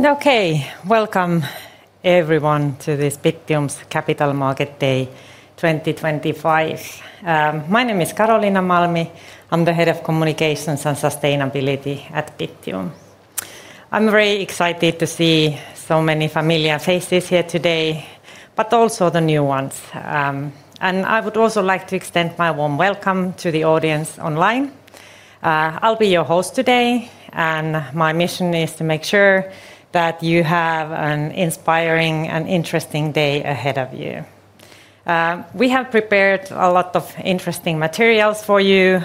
Okay, welcome everyone to this Bittium's Capital Market Day 2025. My name is Karoliina Malmi. I'm the Head of Communications and Sustainability at Bittium. I'm very excited to see so many familiar faces here today, but also the new ones. I would also like to extend my warm welcome to the audience online. I'll be your host today, and my mission is to make sure that you have an inspiring and interesting day ahead of you. We have prepared a lot of interesting materials for you.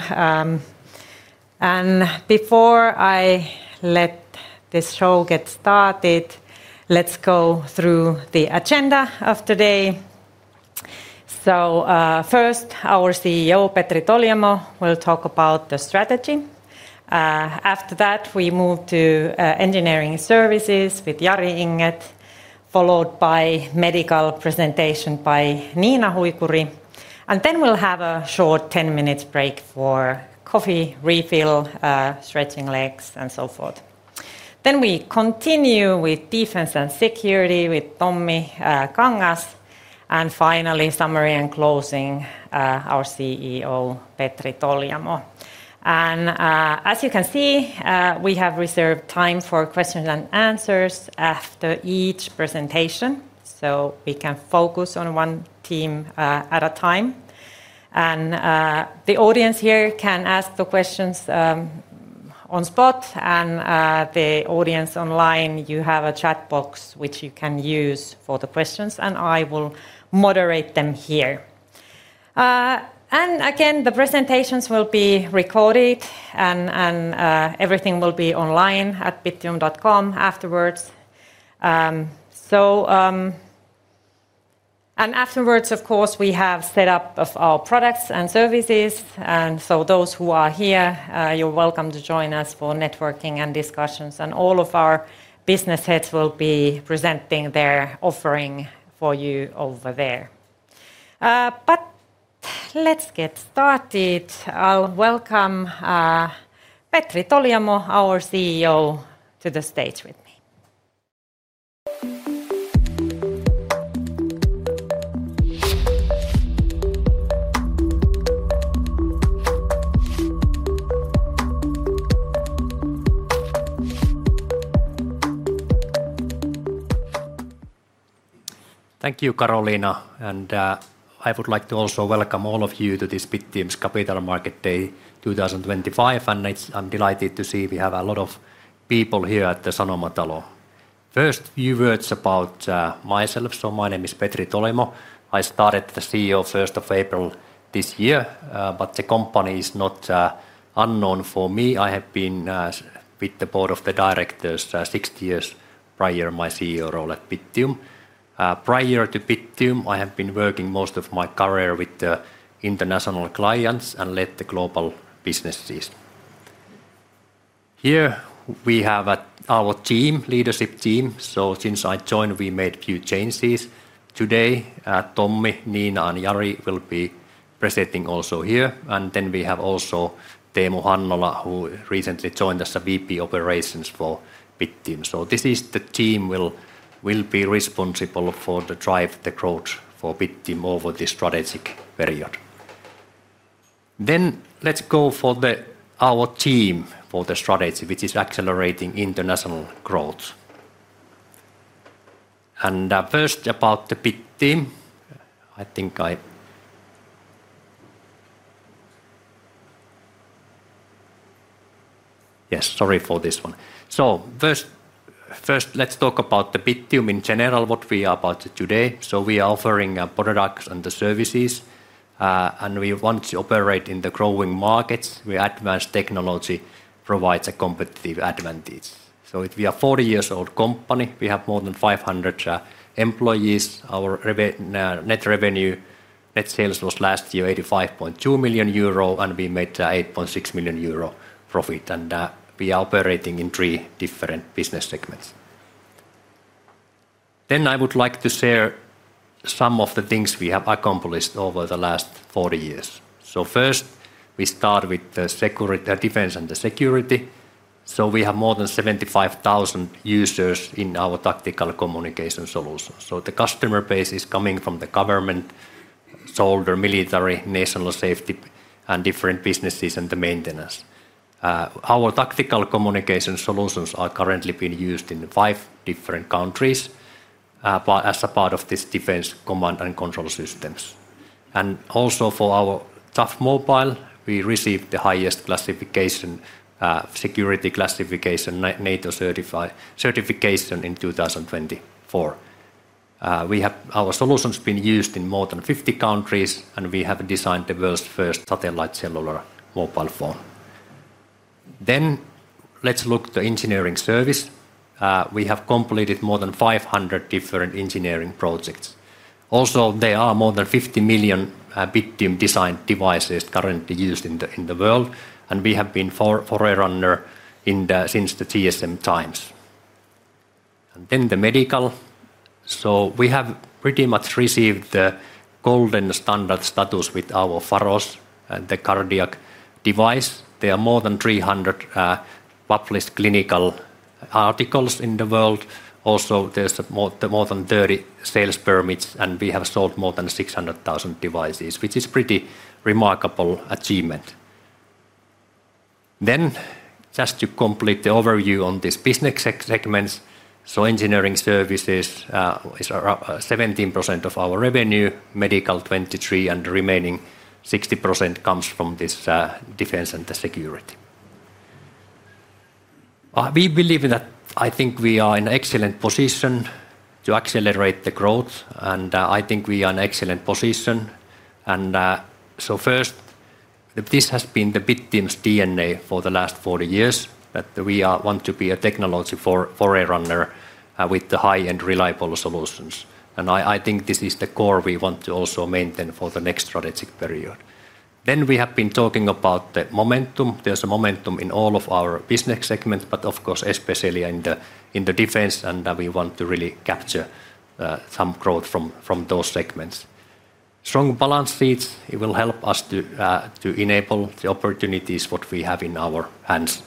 Before I let the show get started, let's go through the agenda of today. First, our CEO, Petri Toljamo, will talk about the strategy. After that, we move to Engineering Services with Jari Inget, followed by a Medical presentation by Niina Hoikuri. We'll have a short 10 minutes break for coffee refill, stretching legs, and so forth. We continue with Defense and Security with Tommi Kangas. Finally, summary and closing, our CEO, Petri Toljamo. As you can see, we have reserved time for questions and answers after each presentation, so we can focus on one theme at a time. The audience here can ask the questions on the spot, and the audience online, you have a chat box which you can use for the questions, and I will moderate them here. The presentations will be recorded, and everything will be online at bittium.com afterwards. Afterwards, of course, we have set up our products and services. Those who are here, you're welcome to join us for networking and discussions, and all of our business heads will be presenting their offering for you over there. Let's get started. I'll welcome Petri Toljamo, our CEO, to the stage with me. Thank you, Karoliina. I would like to also welcome all of you to this Bittium's Capital Market Day 2025. I'm delighted to see we have a lot of people here at the Sanomatalo. First, a few words about myself. My name is Petri Toljamo. I started as the CEO on the 1st of April this year, but the company is not unknown to me. I have been with the board of directors for six years prior to my CEO role at Bittium. Prior to Bittium, I have been working most of my career with international clients and led global businesses. Here we have our team, the leadership team. Since I joined, we made a few changes. Today, Tommi, Niina, and Jari will be presenting also here. We have also Teemu Hannula, who recently joined as VP of Operations for Bittium. This is the team that will be responsible for driving the growth for Bittium over the strategic period. Let's go to our team for the strategy, which is accelerating international growth. First about Bittium, I think I... Yes, sorry for this one. First, let's talk about Bittium in general, what we are about today. We are offering products and services, and we want to operate in the growing markets where advanced technology provides a competitive advantage. We are a 40-year-old company. We have more than 500 employees. Our net revenue, net sales was last year 85.2 million euro, and we made 8.6 million euro profit. We are operating in three different business segments. I would like to share some of the things we have accomplished over the last 40 years. First, we start with the defense and security. We have more than 75,000 users in our tactical communication solutions. The customer base is coming from the government, soldiers, military, national safety, different businesses, and the maintenance. Our tactical communication solutions are currently being used in five different countries as a part of these defense command and control systems. Also, for our Tough Mobile, we received the highest classification, security classification, NATO certification in 2024. Our solution has been used in more than 50 countries, and we have designed the world's first satellite cellular mobile phone. Let's look at the engineering service. We have completed more than 500 different engineering projects. There are more than 50 million Bittium designed devices currently used in the world, and we have been forerunners since the TSM times. And then the medical. We have pretty much received the gold standard status with our Faros, the cardiac device. There are more than 300 published clinical articles in the world. Also, there are more than 30 sales permits, and we have sold more than 600,000 devices, which is a pretty remarkable achievement. Just to complete the overview on these business segments, engineering services is around 17% of our revenue, medical 23%, and the remaining 60% comes from defense and security. We believe that we are in an excellent position to accelerate the growth, and I think we are in an excellent position. This has been Bittium's DNA for the last 40 years, that we want to be a technology forerunner with high-end reliable solutions. I think this is the core we want to also maintain for the next strategic period. We have been talking about the momentum. There's a momentum in all of our business segments, but of course, especially in defense, and we want to really capture some growth from those segments. Strong balance sheets will help us to enable the opportunities that we have in our hands.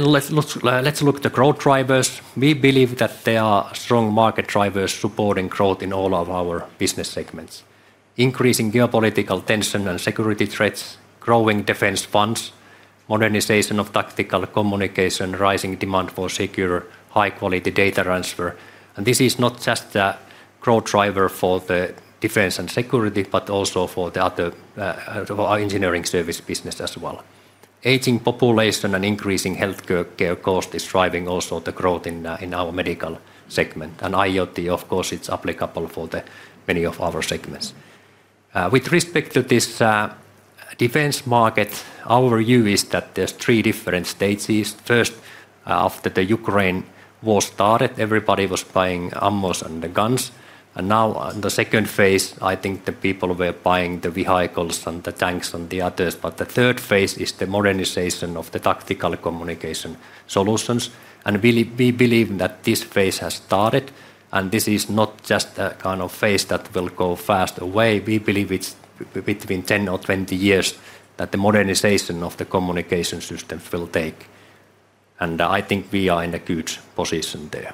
Let's look at the growth drivers. We believe that there are strong market drivers supporting growth in all of our business segments: increasing geopolitical tension and security threats, growing defense funds, modernization of tactical communication, rising demand for secure high-quality data transfer. This is not just a growth driver for defense and security, but also for the other engineering services business as well. Aging population and increasing healthcare costs are also driving the growth in our medical segment. IoT, of course, is applicable for many of our segments. With respect to the defense market, our view is that there are three different stages. First, after the Ukraine war started, everybody was buying ammo and guns. Now in the second phase, people were buying the vehicles and the tanks and the others. The third phase is the modernization of the tactical communication solutions. We believe that this phase has started. This is not just a kind of phase that will go fast away. We believe it's between 10-20 years that the modernization of the communication systems will take. I think we are in a good position there.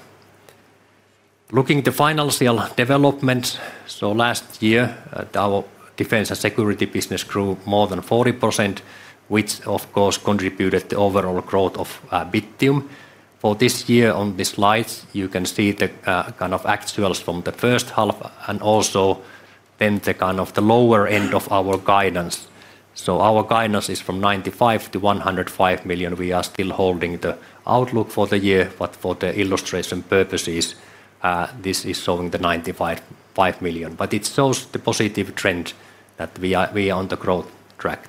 Looking at the financial development, last year, our Defense and Security business grew more than 40%, which of course contributed to the overall growth of Bittium. For this year, on the slides, you can see the actuals from the first half and also the lower end of our guidance. Our guidance is from 95 million-105 million. We are still holding the outlook for the year, but for illustration purposes, this is showing the 95 million. It shows the positive trend that we are on the growth track.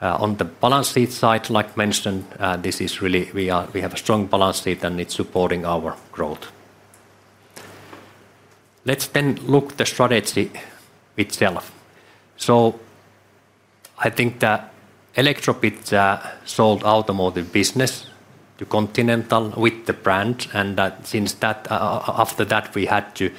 On the balance sheet side, like I mentioned, we have a strong balance sheet and it's supporting our growth. Let's look at the strategy itself. I think that Elektrobit sold the automotive business to Continental with the brand. After that, we had to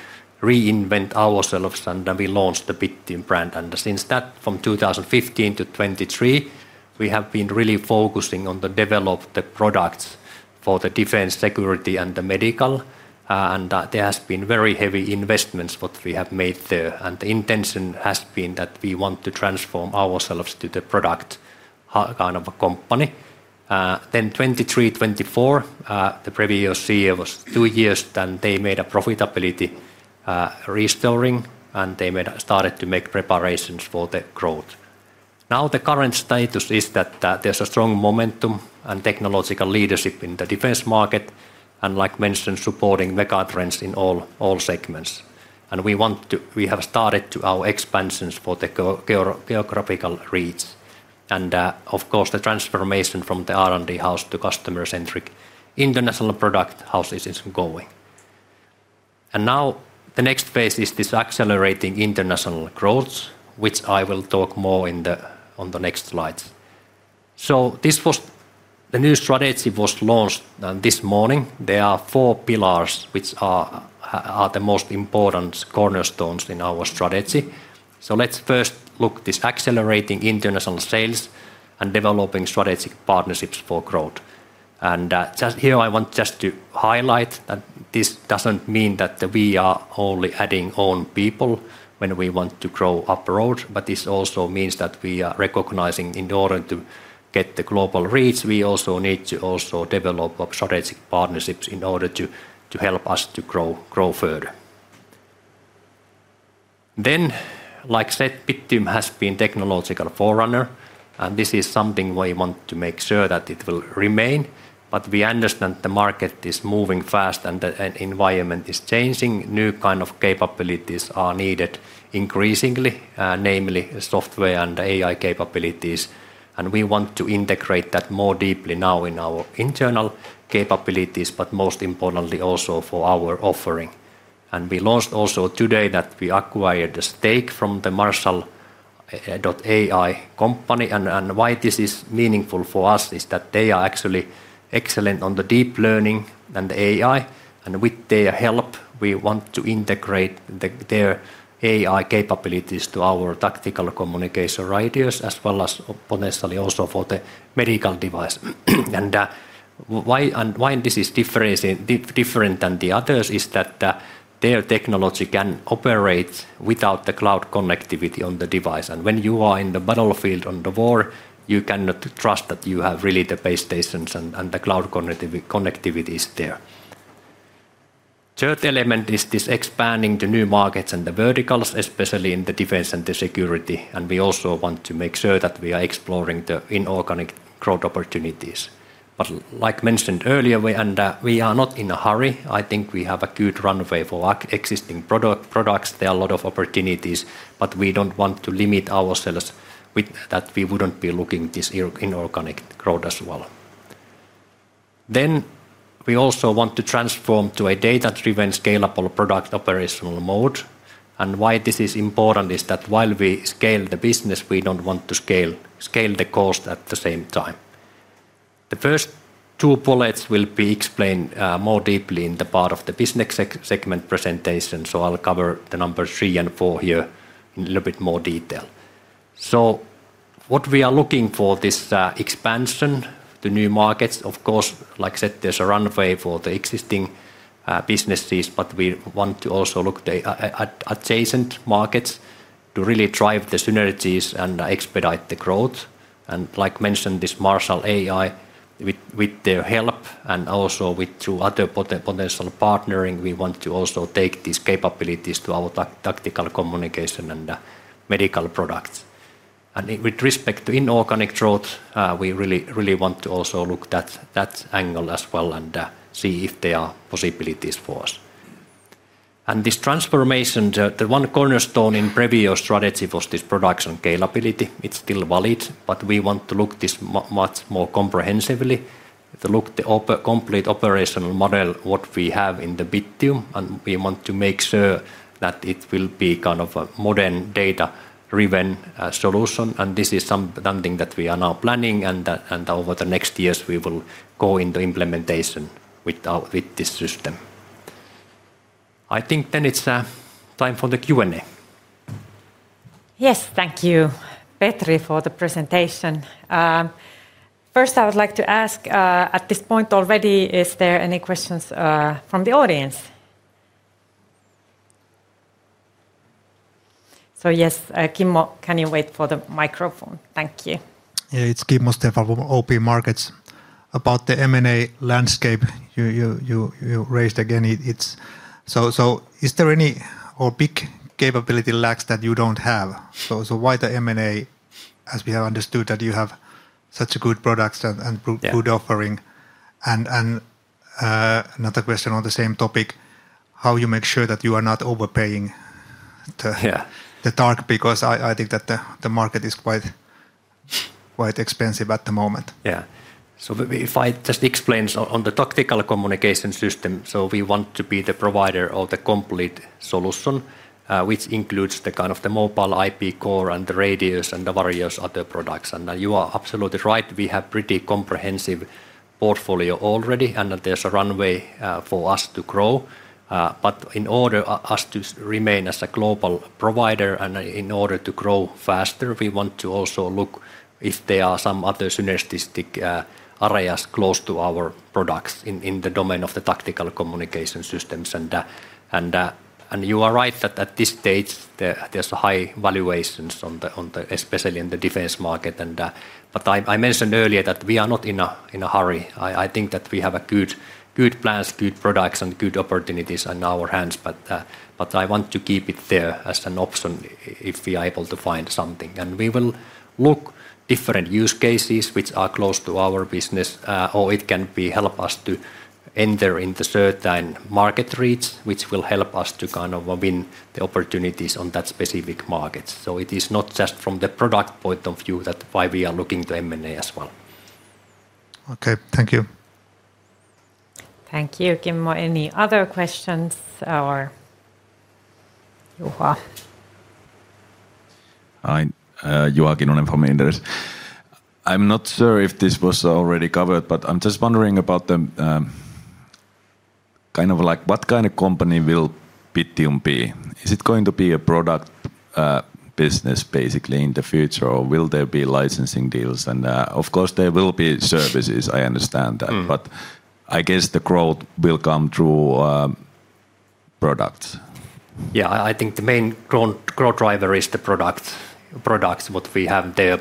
reinvent ourselves and we launched the Bittium brand. Since that, from 2015-2023, we have been really focusing on developing the products for Defense, Security, and Medical. There have been very heavy investments that we have made there. The intention has been that we want to transform ourselves to the product kind of a company. In 2023 and 2024, the previous year was two years, and they made a profitability restoring and they started to make preparations for the growth. Now the current status is that there's a strong momentum and technological leadership in the defense market. Like I mentioned, supporting megatrends in all segments. We have started our expansions for the geographical reach. The transformation from the R&D house to customer-centric international product houses is going. The next phase is this accelerating international growth, which I will talk more about on the next slides. This was the new strategy that was launched this morning. There are four pillars, which are the most important cornerstones in our strategy. Let's first look at this accelerating international sales and developing strategic partnerships for growth. I want to highlight that this doesn't mean that we are only adding on people when we want to grow abroad, but this also means that we are recognizing in order to get the global reach, we also need to develop strategic partnerships in order to help us to grow further. Like I said, Bittium has been a technological forerunner. This is something we want to make sure that it will remain. We understand the market is moving fast and the environment is changing. New kind of capabilities are needed increasingly, namely software and AI capabilities. We want to integrate that more deeply now in our internal capabilities, but most importantly also for our offering. We launched also today that we acquired the stake from the MarshallAI company. Why this is meaningful for us is that they are actually excellent on the deep learning and the AI. With their help, we want to integrate their AI capabilities to our tactical communication radios as well as potentially also for the medical device. Why this is different than the others is that their technology can operate without the cloud connectivity on the device. When you are in the battlefield, on the war, you cannot trust that you have really the base stations and the cloud connectivity is there. The third element is this expanding to new markets and the verticals, especially in the defense and the security. We also want to make sure that we are exploring the inorganic growth opportunities. Like I mentioned earlier, we are not in a hurry. I think we have a good runway for existing products. There are a lot of opportunities, but we don't want to limit ourselves with that. We wouldn't be looking at this inorganic growth as well. We also want to transform to a data-driven scalable product operational mode. Why this is important is that while we scale the business, we don't want to scale the cost at the same time. The first two bullets will be explained more deeply in the part of the business segment presentation. I'll cover the numbers three and four here in a little bit more detail. What we are looking for is this expansion to new markets. Of course, like I said, there's a runway for the existing businesses, but we want to also look at adjacent markets to really drive the synergies and expedite the growth. Like I mentioned, this MarshallAI with their help and also through other potential partnering, we want to also take these capabilities to our tactical communication and medical products. With respect to inorganic growth, we really want to also look at that angle as well and see if there are possibilities for us. This transformation, the one cornerstone in the previous strategy was this production scalability. It's still valid, but we want to look at this much more comprehensively. If you look at the complete operational model, what we have in Bittium, we want to make sure that it will be kind of a modern data-driven solution. This is something that we are now planning, and over the next years, we will go into implementation with this system. I think then it's time for the Q&A. Yes, thank you, Petri, for the presentation. First, I would like to ask, at this point already, are there any questions from the audience? Yes, Kimmo, can you wait for the microphone? Thank you. It's Kimmo Stenvall from OP Markets. About the M&A landscape you raised again, is there any or big capability lack that you don't have? Why the M&A, as we have understood that you have such a good product and good offering? Another question on the same topic, how do you make sure that you are not overpaying the target, because I think that the market is quite expensive at the moment. Yeah, if I just explain on the tactical communication system, we want to be the provider of the complete solution, which includes the kind of the mobile IP core and the radios and the various other products. You are absolutely right, we have a pretty comprehensive portfolio already, and there's a runway for us to grow. In order for us to remain as a global provider and in order to grow faster, we want to also look if there are some other synergistic areas close to our products in the domain of the tactical communication systems. You are right that at this stage, there's high valuations, especially in the defense market. I mentioned earlier that we are not in a hurry. I think that we have good plans, good products, and good opportunities in our hands, but I want to keep it there as an option if we are able to find something. We will look at different use cases which are close to our business, or it can help us to enter into certain market reaches, which will help us to kind of win the opportunities on that specific market. It is not just from the product point of view that why we are looking to M&A as well. Okay, thank you. Thank you, Kimmo. Any other questions? Juha? Juha Kinnunen from Inderes. I'm not sure if this was already covered, but I'm just wondering about what kind of company will Bittium be. Is it going to be a product business basically in the future, or will there be licensing deals? Of course, there will be services, I understand that, but I guess the growth will come through products. Yeah, I think the main growth driver is the products, what we have there.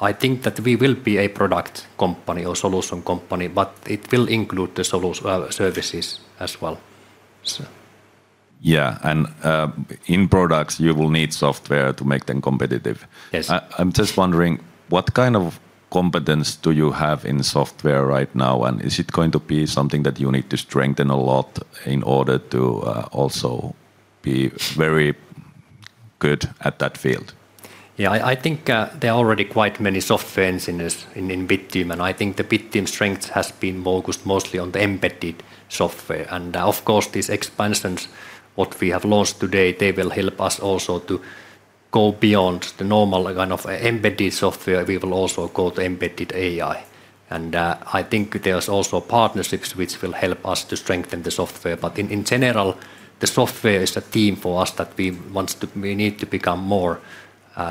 I think that we will be a product company or solution company, but it will include the solution services as well. Yeah, in products, you will need software to make them competitive. Yes. I'm just wondering, what kind of competence do you have in software right now, and is it going to be something that you need to strengthen a lot in order to also be very good at that field? Yeah, I think there are already quite many software engineers in Bittium, and I think the Bittium strength has been focused mostly on the embedded software. Of course, these expansions, what we have launched today, they will help us also to go beyond the normal kind of embedded software. We will also go to embedded AI. I think there's also partnerships which will help us to strengthen the software. In general, the software is a theme for us that we want to, we need to become more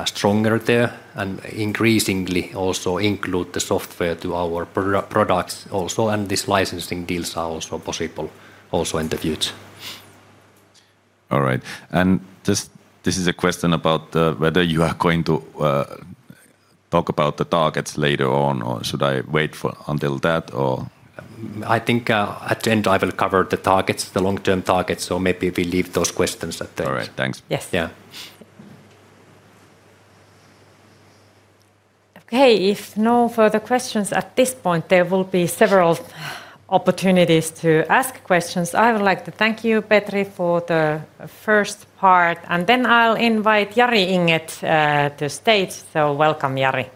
stronger there and increasingly also include the software to our products also. These licensing deals are also possible also in the future. All right. Is this a question about whether you are going to talk about the targets later on, or should I wait until that? I think at the end, I will cover the targets, the long-term targets, so maybe we leave those questions at the end. All right, thanks. Yes. Okay, if no further questions at this point, there will be several opportunities to ask questions. I would like to thank you, Petri, for the first part, and then I'll invite Jari Inget to the stage. Welcome, Jari.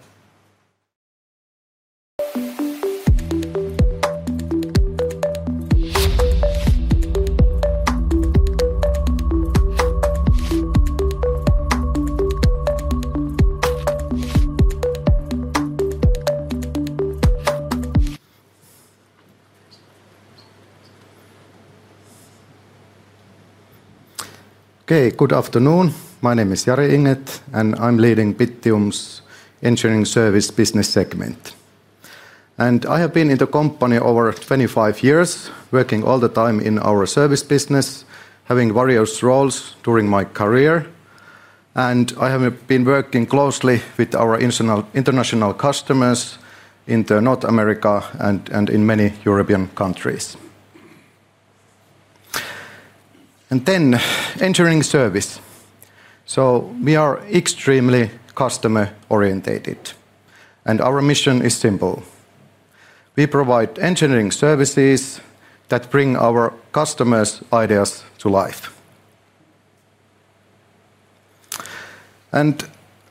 Okay, good afternoon. My name is Jari Inget, and I'm leading Bittium's Engineering Services business segment. I have been in the company over 25 years, working all the time in our service business, having various roles during my career. I have been working closely with our international customers in North America and in many European countries. In Engineering Services, we are extremely customer-oriented, and our mission is simple. We provide engineering services that bring our customers' ideas to life. A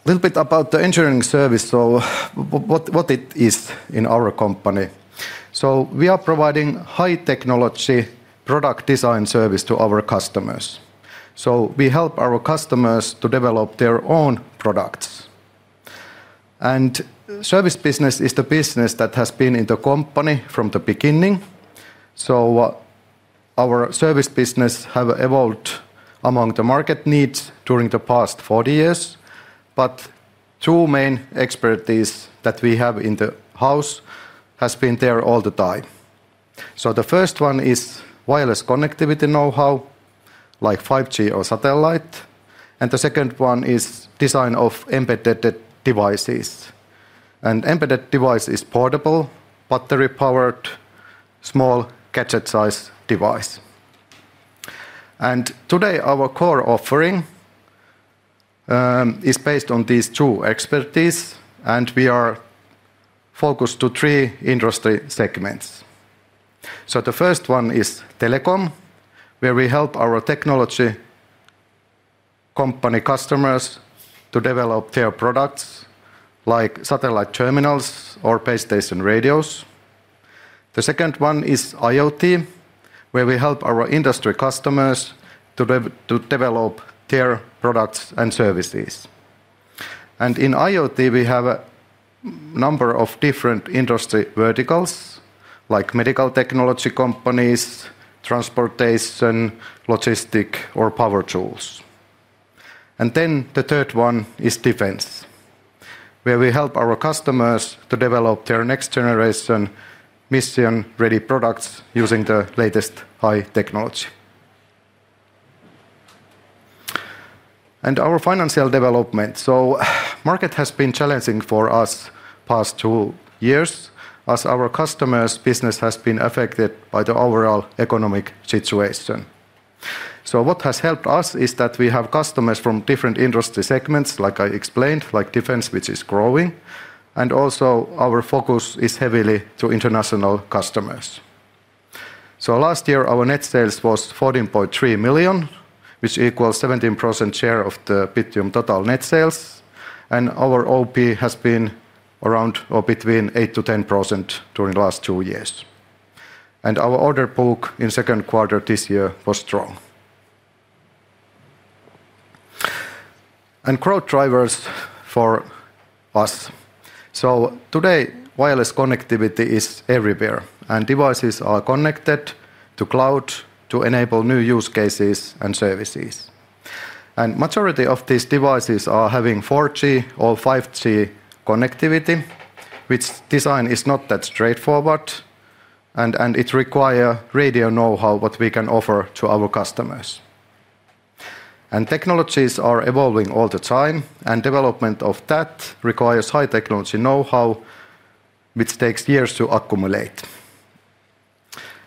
little bit about Engineering Services and what it is in our company. We are providing high-technology product design service to our customers. We help our customers to develop their own products. Service business is the business that has been in the company from the beginning. Our service business has evolved among the market needs during the past 40 years. Two main expertise that we have in-house have been there all the time. The first one is wireless connectivity know-how, like 5G or satellite. The second one is design of embedded devices. An embedded device is a portable, battery-powered, small, gadget-sized device. Today, our core offering is based on these two expertises, and we are focused on three industry segments. The first one is telecom, where we help our technology company customers to develop their products, like satellite terminals or base station radios. The second one is IoT, where we help our industry customers to develop their products and services. In IoT, we have a number of different industry verticals, like medical technology companies, transportation, logistics, or power tools. The third one is defense, where we help our customers to develop their next-generation mission-ready products using the latest high technology. Our financial development: the market has been challenging for us the past two years, as our customers' business has been affected by the overall economic situation. What has helped us is that we have customers from different industry segments, like I explained, like defense, which is growing, and also our focus is heavily on international customers. Last year, our net sales was 14.3 million, which equals a 17% share of the Bittium total net sales. Our operating profit has been around or between 8%-10% during the last two years. Our order book in the second quarter of this year was strong. Growth drivers for us. Today, wireless connectivity is everywhere, and devices are connected to cloud to enable new use cases and services. The majority of these devices are having 4G or 5G connectivity, which design is not that straightforward, and it requires radio know-how, which we can offer to our customers. Technologies are evolving all the time, and development of that requires high-technology know-how, which takes years to accumulate.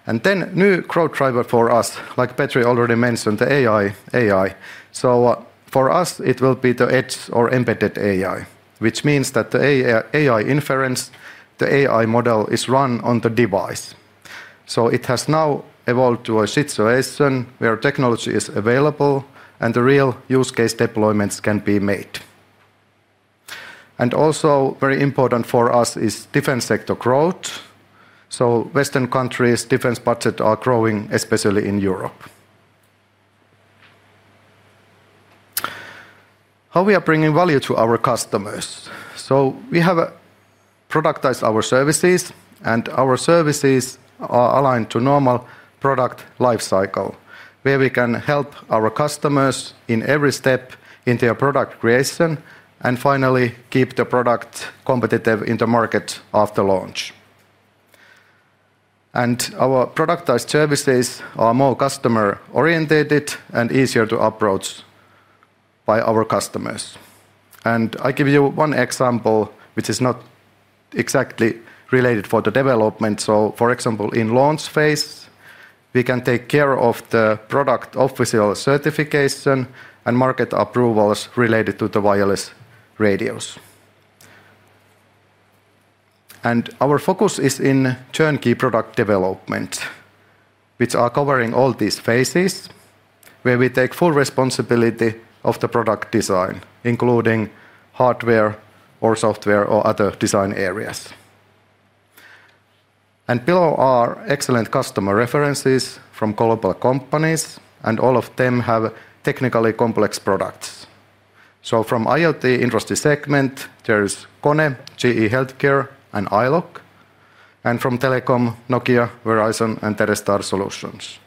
A new growth driver for us, like Petri already mentioned, is the AI. For us, it will be the edge or embedded AI, which means that the AI inference, the AI model, is run on the device. It has now evolved to a situation where technology is available, and the real use case deployments can be made. Also very important for us is defense sector growth. Western countries' defense budgets are growing, especially in Europe. How we are bringing value to our customers: we have productized our services, and our services are aligned to a normal product life cycle, where we can help our customers in every step in their product creation and finally keep the product competitive in the market after launch. Our productized services are more customer-oriented and easier to approach by our customers. I'll give you one example, which is not exactly related to the development. For example, in the launch phase, we can take care of the product official certification and market approvals related to the wireless radios. Our focus is in turnkey product development, which is covering all these phases, where we take full responsibility of the product design, including hardware or software or other design areas. Below are excellent customer references from global companies, and all of them have technically complex products. From the IoT industry segment, there is KONE, GE HealthCare, and iLOQ. From telecom, Nokia, Verizon, and Terrestar Solutions.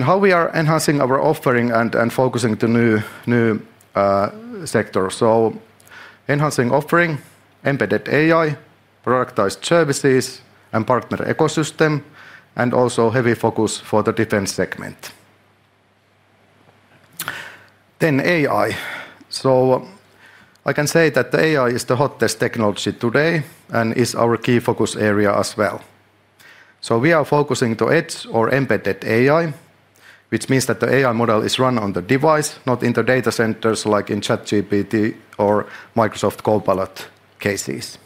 How we are enhancing our offering and focusing on new sectors: enhancing offering, embedded AI, productized services, and partner ecosystem, and also a heavy focus for the defense segment. AI is the hottest technology today and is our key focus area as well. We are focusing on the edge or embedded AI, which means that the AI model is run on the device, not in the data centers like in ChatGPT or Microsoft Copilot cases.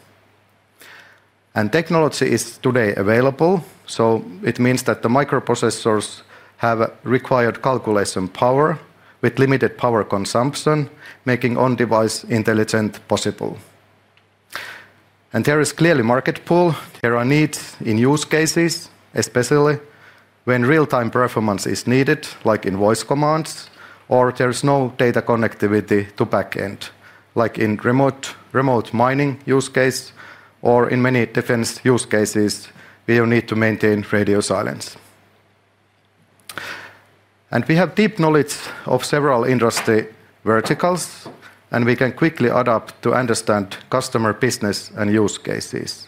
Technology is today available, so it means that the microprocessors have required calculation power with limited power consumption, making on-device intelligence possible. There is clearly a market pull. There are needs in use cases, especially when real-time performance is needed, like in voice commands, or there's no data connectivity to the backend, like in remote mining use cases, or in many defense use cases, we need to maintain radio silence. We have deep knowledge of several industry verticals, and we can quickly adapt to understand customer business and use cases.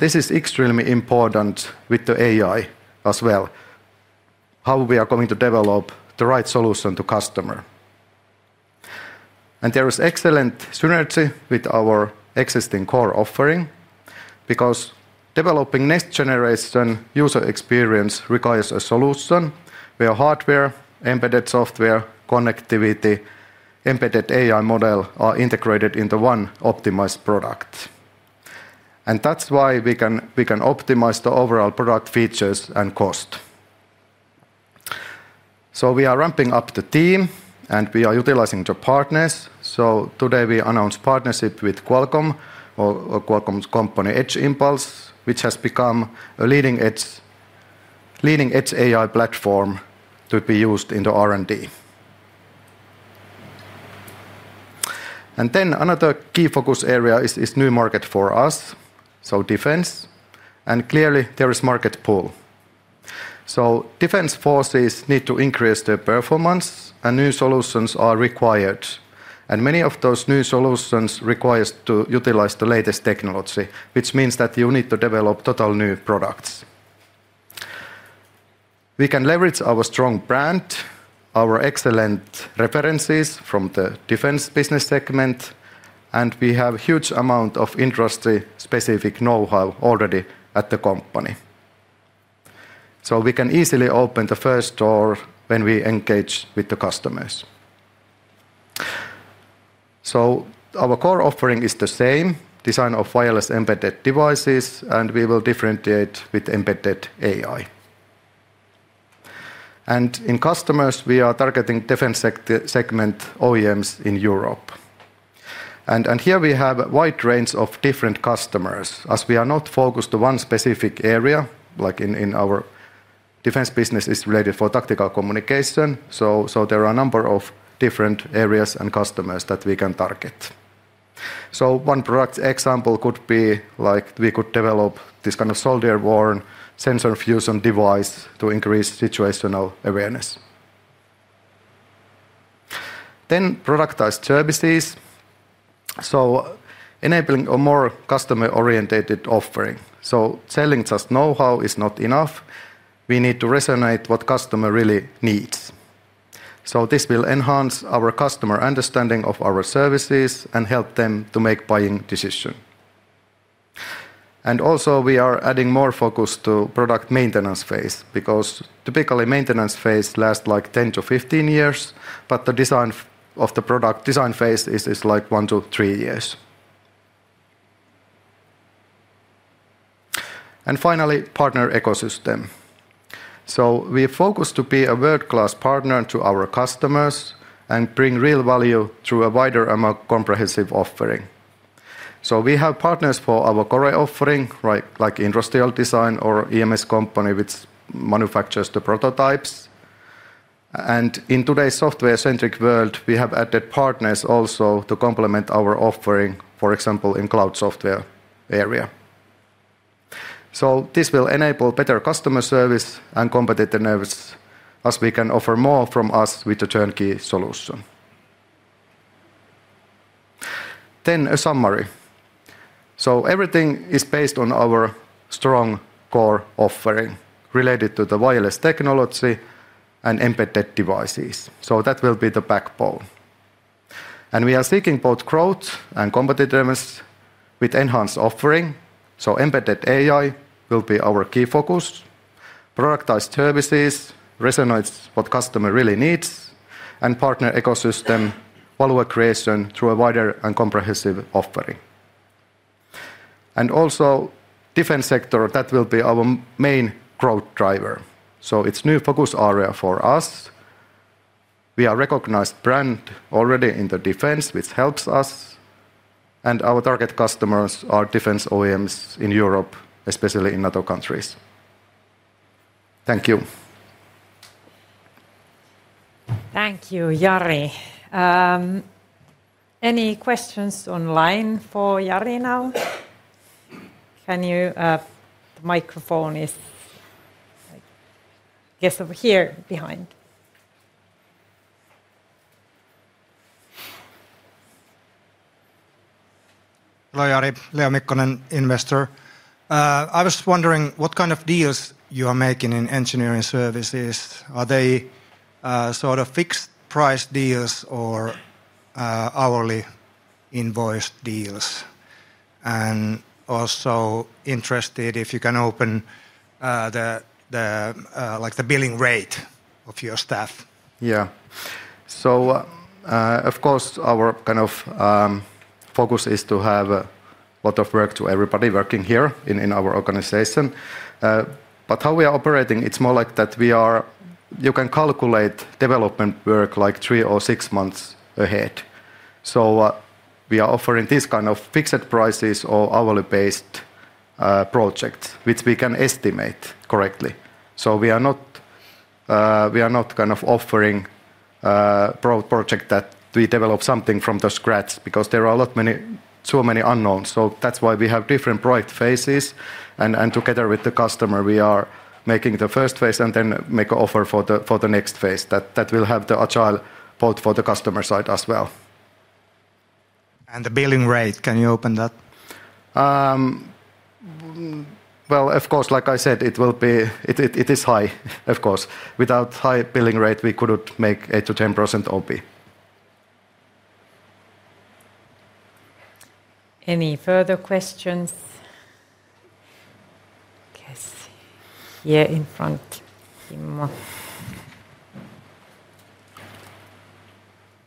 This is extremely important with the AI as well, how we are going to develop the right solution to the customer. There is excellent synergy with our existing core offering because developing next-generation user experience requires a solution where hardware, embedded software, connectivity, and embedded AI model are integrated into one optimized product. That's why we can optimize the overall product features and cost. We are ramping up the team, and we are utilizing the partners. Today we announced a partnership with Qualcomm or Qualcomm's company, Edge Impulse, which has become a leading edge AI platform to be used in the R&D. Another key focus area is a new market for us, defense. Clearly, there is a market pull. Defense forces need to increase their performance, and new solutions are required. Many of those new solutions require us to utilize the latest technology, which means that you need to develop total new products. We can leverage our strong brand, our excellent references from the defense business segment, and we have a huge amount of industry-specific know-how already at the company. We can easily open the first door when we engage with the customers. Our core offering is the same: design of wireless embedded devices, and we will differentiate with embedded AI. In customers, we are targeting the defense segment OEMs in Europe. Here we have a wide range of different customers. We are not focused on one specific area, like in our defense business is related to tactical communication, so there are a number of different areas and customers that we can target. One product example could be like we could develop this kind of soldier worn sensor fusion device to increase situational awareness. Productized services enable a more customer-oriented offering. Selling just know-how is not enough. We need to resonate with what the customer really needs. This will enhance our customer's understanding of our services and help them to make a buying decision. We are adding more focus to the product maintenance phase because typically the maintenance phase lasts 10-15 years, but the product design phase is 1-3 years. Finally, partner ecosystem. We are focused on being a world-class partner to our customers and bringing real value through a wider and more comprehensive offering. We have partners for our core offering, like industrial design or EMS companies which manufacture the prototypes. In today's software-centric world, we have added partners also to complement our offering, for example, in the cloud software area. This will enable better customer service and competitive services as we can offer more from us with a turnkey solution. A summary. Everything is based on our strong core offering related to the wireless technology and embedded devices. That will be the backbone. We are seeking both growth and competitiveness with an enhanced offering. Embedded AI will be our key focus. Productized services resonate with what the customer really needs, and the partner ecosystem value creation through a wider and comprehensive offering. The defense sector will be our main growth driver. It's a new focus area for us. We are a recognized brand already in the defense, which helps us. Our target customers are defense OEMs in Europe, especially in NATO countries. Thank you. Thank you, Jari. Any questions online for Jari now? The microphone is, I guess, over here behind. Hello, Jari. Leo Mikkonen, investor. I was wondering what kind of deals you are making in Engineering Services. Are they sort of fixed-price deals or hourly invoice deals? I am also interested if you can open the billing rate of your staff. Yeah. Of course, our kind of focus is to have a lot of work to everybody working here in our organization. How we are operating, it's more like that we are, you can calculate development work like three or six months ahead. We are offering these kind of fixed prices or hourly-based projects, which we can estimate correctly. We are not kind of offering a project that we develop something from the scratch because there are so many unknowns. That's why we have different product phases. Together with the customer, we are making the first phase and then make an offer for the next phase that will have the agile part for the customer side as well. Can you open the billing rate? Like I said, it will be, it is high, of course. Without a high billing rate, we couldn't make 8%-10% OP. Any further questions? Yes, here in front, Kimmo.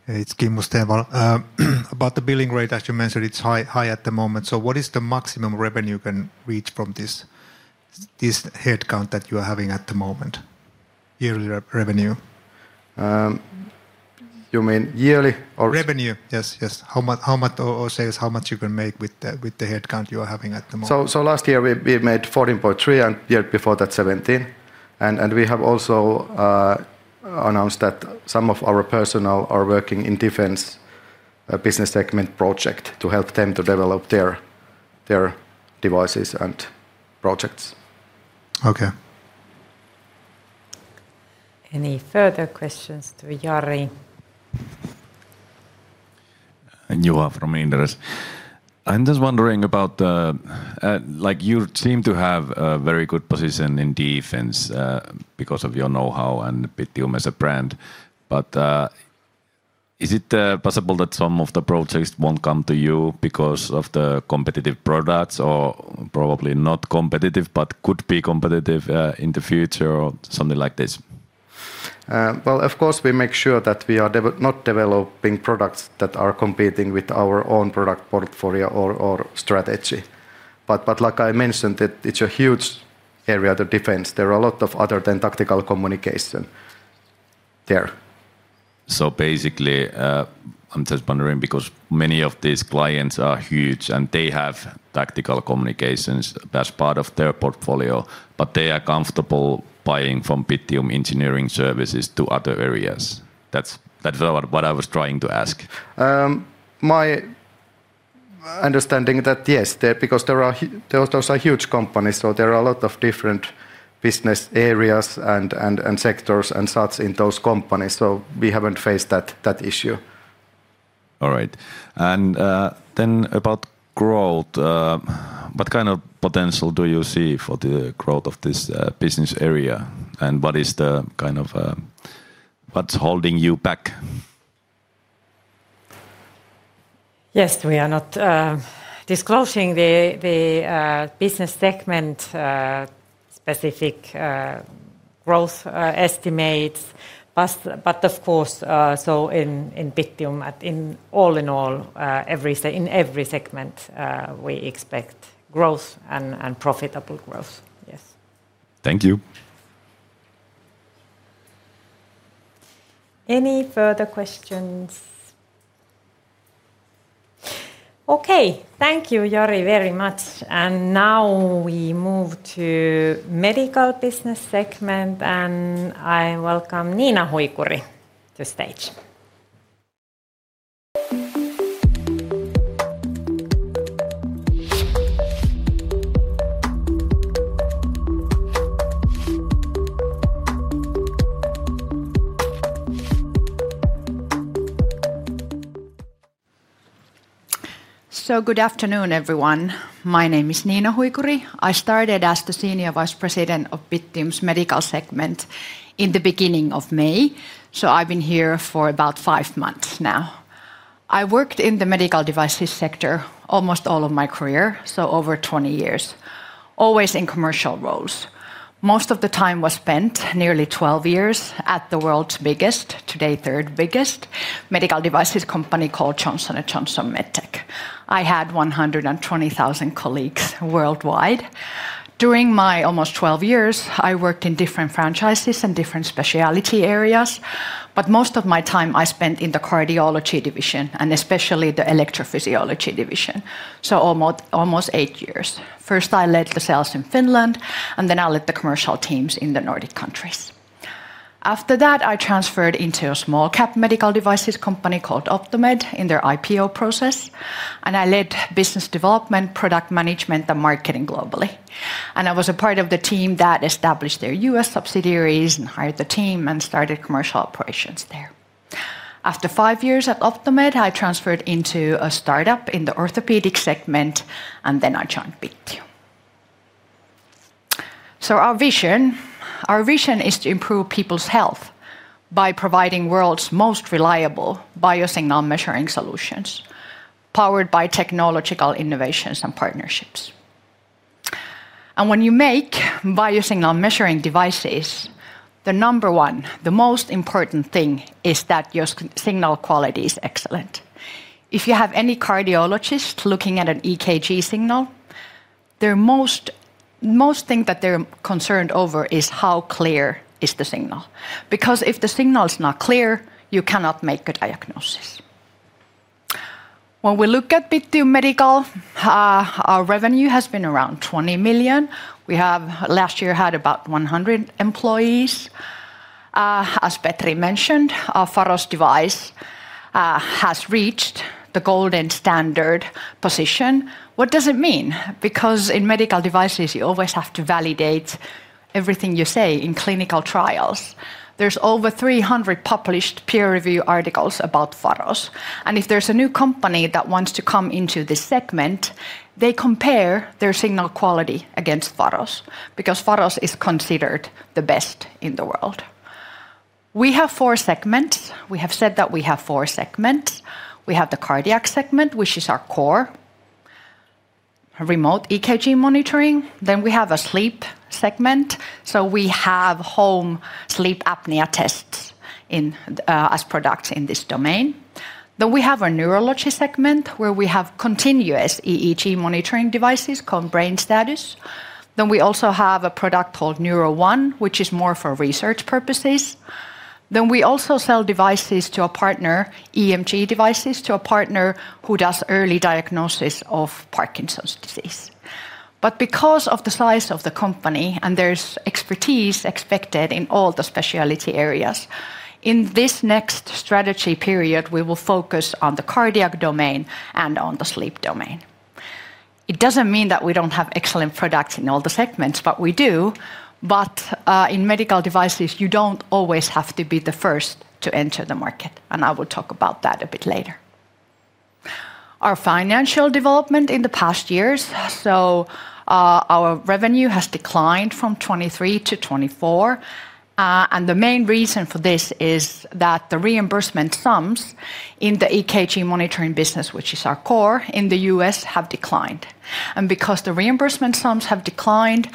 Hey, it's Kimmo Stenvall about the billing rate. As you mentioned, it's high at the moment. What is the maximum revenue you can reach from this headcount that you are having at the moment? Yearly revenue. You mean yearly or? Revenue, yes. How much or say how much you can make with the headcount you are having at the moment? Last year we made 14.3 million and the year before that, 17 million. We have also announced that some of our personnel are working in the Defense business segment project to help them to develop their devices and projects. Okay. Any further questions to Jari? Juha from Inderes. I'm just wondering about the, you seem to have a very good position in defense because of your know-how and Bittium as a brand. Is it possible that some of the projects won't come to you because of the competitive products or probably not competitive, but could be competitive in the future or something like this? Of course, we make sure that we are not developing products that are competing with our own product portfolio or strategy. Like I mentioned, it's a huge area of the defense. There are a lot of other than tactical communication there. I'm just wondering because many of these clients are huge and they have tactical communications as part of their portfolio, but they are comfortable buying from Bittium Engineering Services to other areas. That's what I was trying to ask. My understanding is that yes, because those are huge companies, there are a lot of different business areas and sectors and such in those companies. We haven't faced that issue. All right. About growth, what kind of potential do you see for the growth of this business area? What is the kind of what's holding you back? Yes, we are not disclosing the business segment-specific growth estimates. Of course, in Bittium, in every segment, we expect growth and profitable growth. Yes. Thank you. Any further questions? Okay, thank you, Jari, very much. Now we move to the Medical business segment, and I welcome Niina Hoikuri to the stage. Good afternoon, everyone. My name is Niina Hoikuri. I started as the Senior Vice President of Bittium's Medical segment in the beginning of May. I've been here for about five months now. I worked in the medical devices sector almost all of my career, so over 20 years, always in commercial roles. Most of the time was spent, nearly 12 years, at the world's biggest, today third biggest, medical devices company called Johnson & Johnson MedTech. I had 120,000 colleagues worldwide. During my almost 12 years, I worked in different franchises and different specialty areas, but most of my time I spent in the cardiology division and especially the electrophysiology division, so almost eight years. First, I led the sales in Finland, and then I led the commercial teams in the Nordic countries. After that, I transferred into a small-cap medical devices company called OptiMed in their IPO process, and I led business development, product management, and marketing globally. I was a part of the team that established their U.S. subsidiaries and hired the team and started commercial operations there. After five years at OptiMed, I transferred into a startup in the orthopedic segment, and then I joined Bittium. Our vision is to improve people's health by providing the world's most reliable biosignal measuring solutions powered by technological innovations and partnerships. When you make biosignal measuring devices, the number one, the most important thing is that your signal quality is excellent. If you have any cardiologist looking at an EKG signal, the most thing that they're concerned over is how clear is the signal, because if the signal is not clear, you cannot make a diagnosis. When we look at Bittium Medical, our revenue has been around 20 million. Last year, we had about 100 employees. As Petri mentioned, our Faros device has reached the gold standard position. What does it mean? In medical devices, you always have to validate everything you say in clinical trials. There are over 300 published peer review articles about Faros. If there's a new company that wants to come into this segment, they compare their signal quality against Faros because Faros is considered the best in the world. We have four segments. We have said that we have four segments. We have the cardiac segment, which is our core remote EKG monitoring. We have a sleep segment. We have home sleep apnea tests as products in this domain. We have a neurology segment where we have continuous EEG monitoring devices called BrainStatus. We also have a product called NeurOne, which is more for research purposes. We also sell devices to a partner, EMG devices to a partner who does early diagnosis of Parkinson's disease. Because of the size of the company and there's expertise expected in all the specialty areas, in this next strategy period, we will focus on the cardiac domain and on the sleep domain. It doesn't mean that we don't have excellent products in all the segments, but we do. In medical devices, you don't always have to be the first to enter the market. I will talk about that a bit later. Our financial development in the past years, so our revenue has declined from 2023-2024. The main reason for this is that the reimbursement sums in the EKG monitoring business, which is our core in the U.S., have declined. Because the reimbursement sums have declined,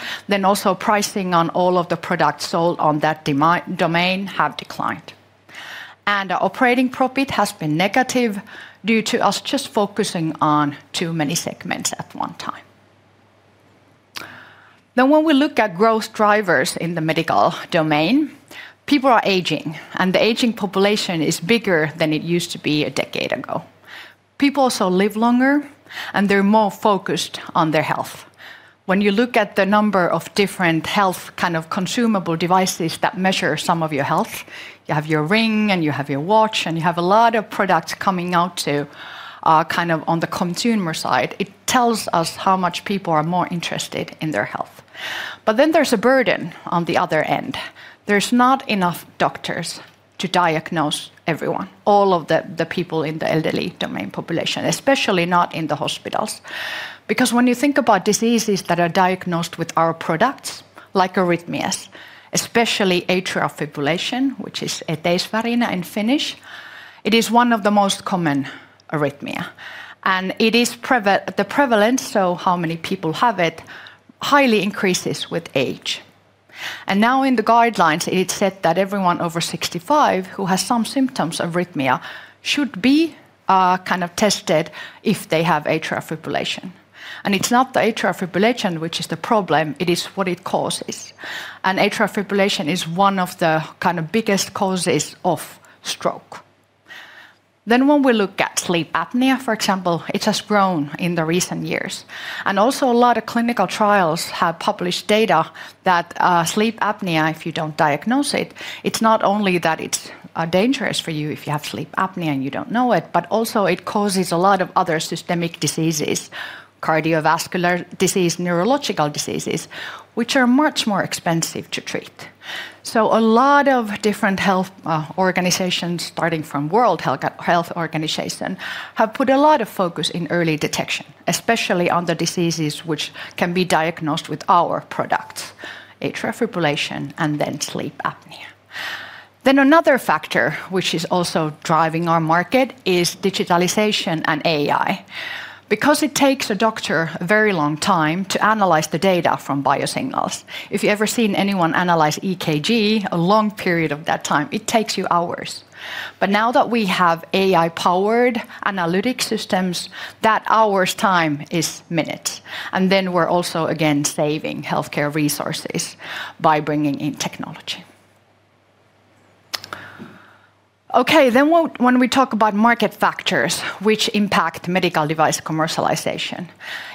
pricing on all of the products sold on that domain have declined. Our operating profit has been negative due to us just focusing on too many segments at one time. When we look at growth drivers in the medical domain, people are aging, and the aging population is bigger than it used to be a decade ago. People also live longer, and they're more focused on their health. When you look at the number of different health kind of consumable devices that measure some of your health, you have your ring and you have your watch, and you have a lot of products coming out on the consumer side. It tells us how much people are more interested in their health. There is a burden on the other end. There's not enough doctors to diagnose everyone, all of the people in the elderly domain population, especially not in the hospitals. When you think about diseases that are diagnosed with our products, like arrhythmias, especially atrial fibrillation, which is eteisvärinä in Finnish, it is one of the most common arrhythmias. The prevalence, so how many people have it, highly increases with age. Now in the guidelines, it's said that everyone over 65 who has some symptoms of arrhythmia should be tested if they have atrial fibrillation. It's not the atrial fibrillation which is the problem, it is what it causes. Atrial fibrillation is one of the biggest causes of stroke. When we look at sleep apnea, for example, it has grown in recent years. Also, a lot of clinical trials have published data that sleep apnea, if you don't diagnose it, it's not only that it's dangerous for you if you have sleep apnea and you don't know it, but it also causes a lot of other systemic diseases, cardiovascular disease, neurological diseases, which are much more expensive to treat. A lot of different health organizations, starting from the World Health Organization, have put a lot of focus on early detection, especially on the diseases which can be diagnosed with our products, atrial fibrillation and sleep apnea. Another factor which is also driving our market is digitalization and AI. It takes a doctor a very long time to analyze the data from biosignals. If you've ever seen anyone analyze EKG, a long period of that time, it takes you hours. Now that we have AI-powered analytic systems, that hour's time is minutes. We're also again saving healthcare resources by bringing in technology. When we talk about market factors which impact medical device commercialization,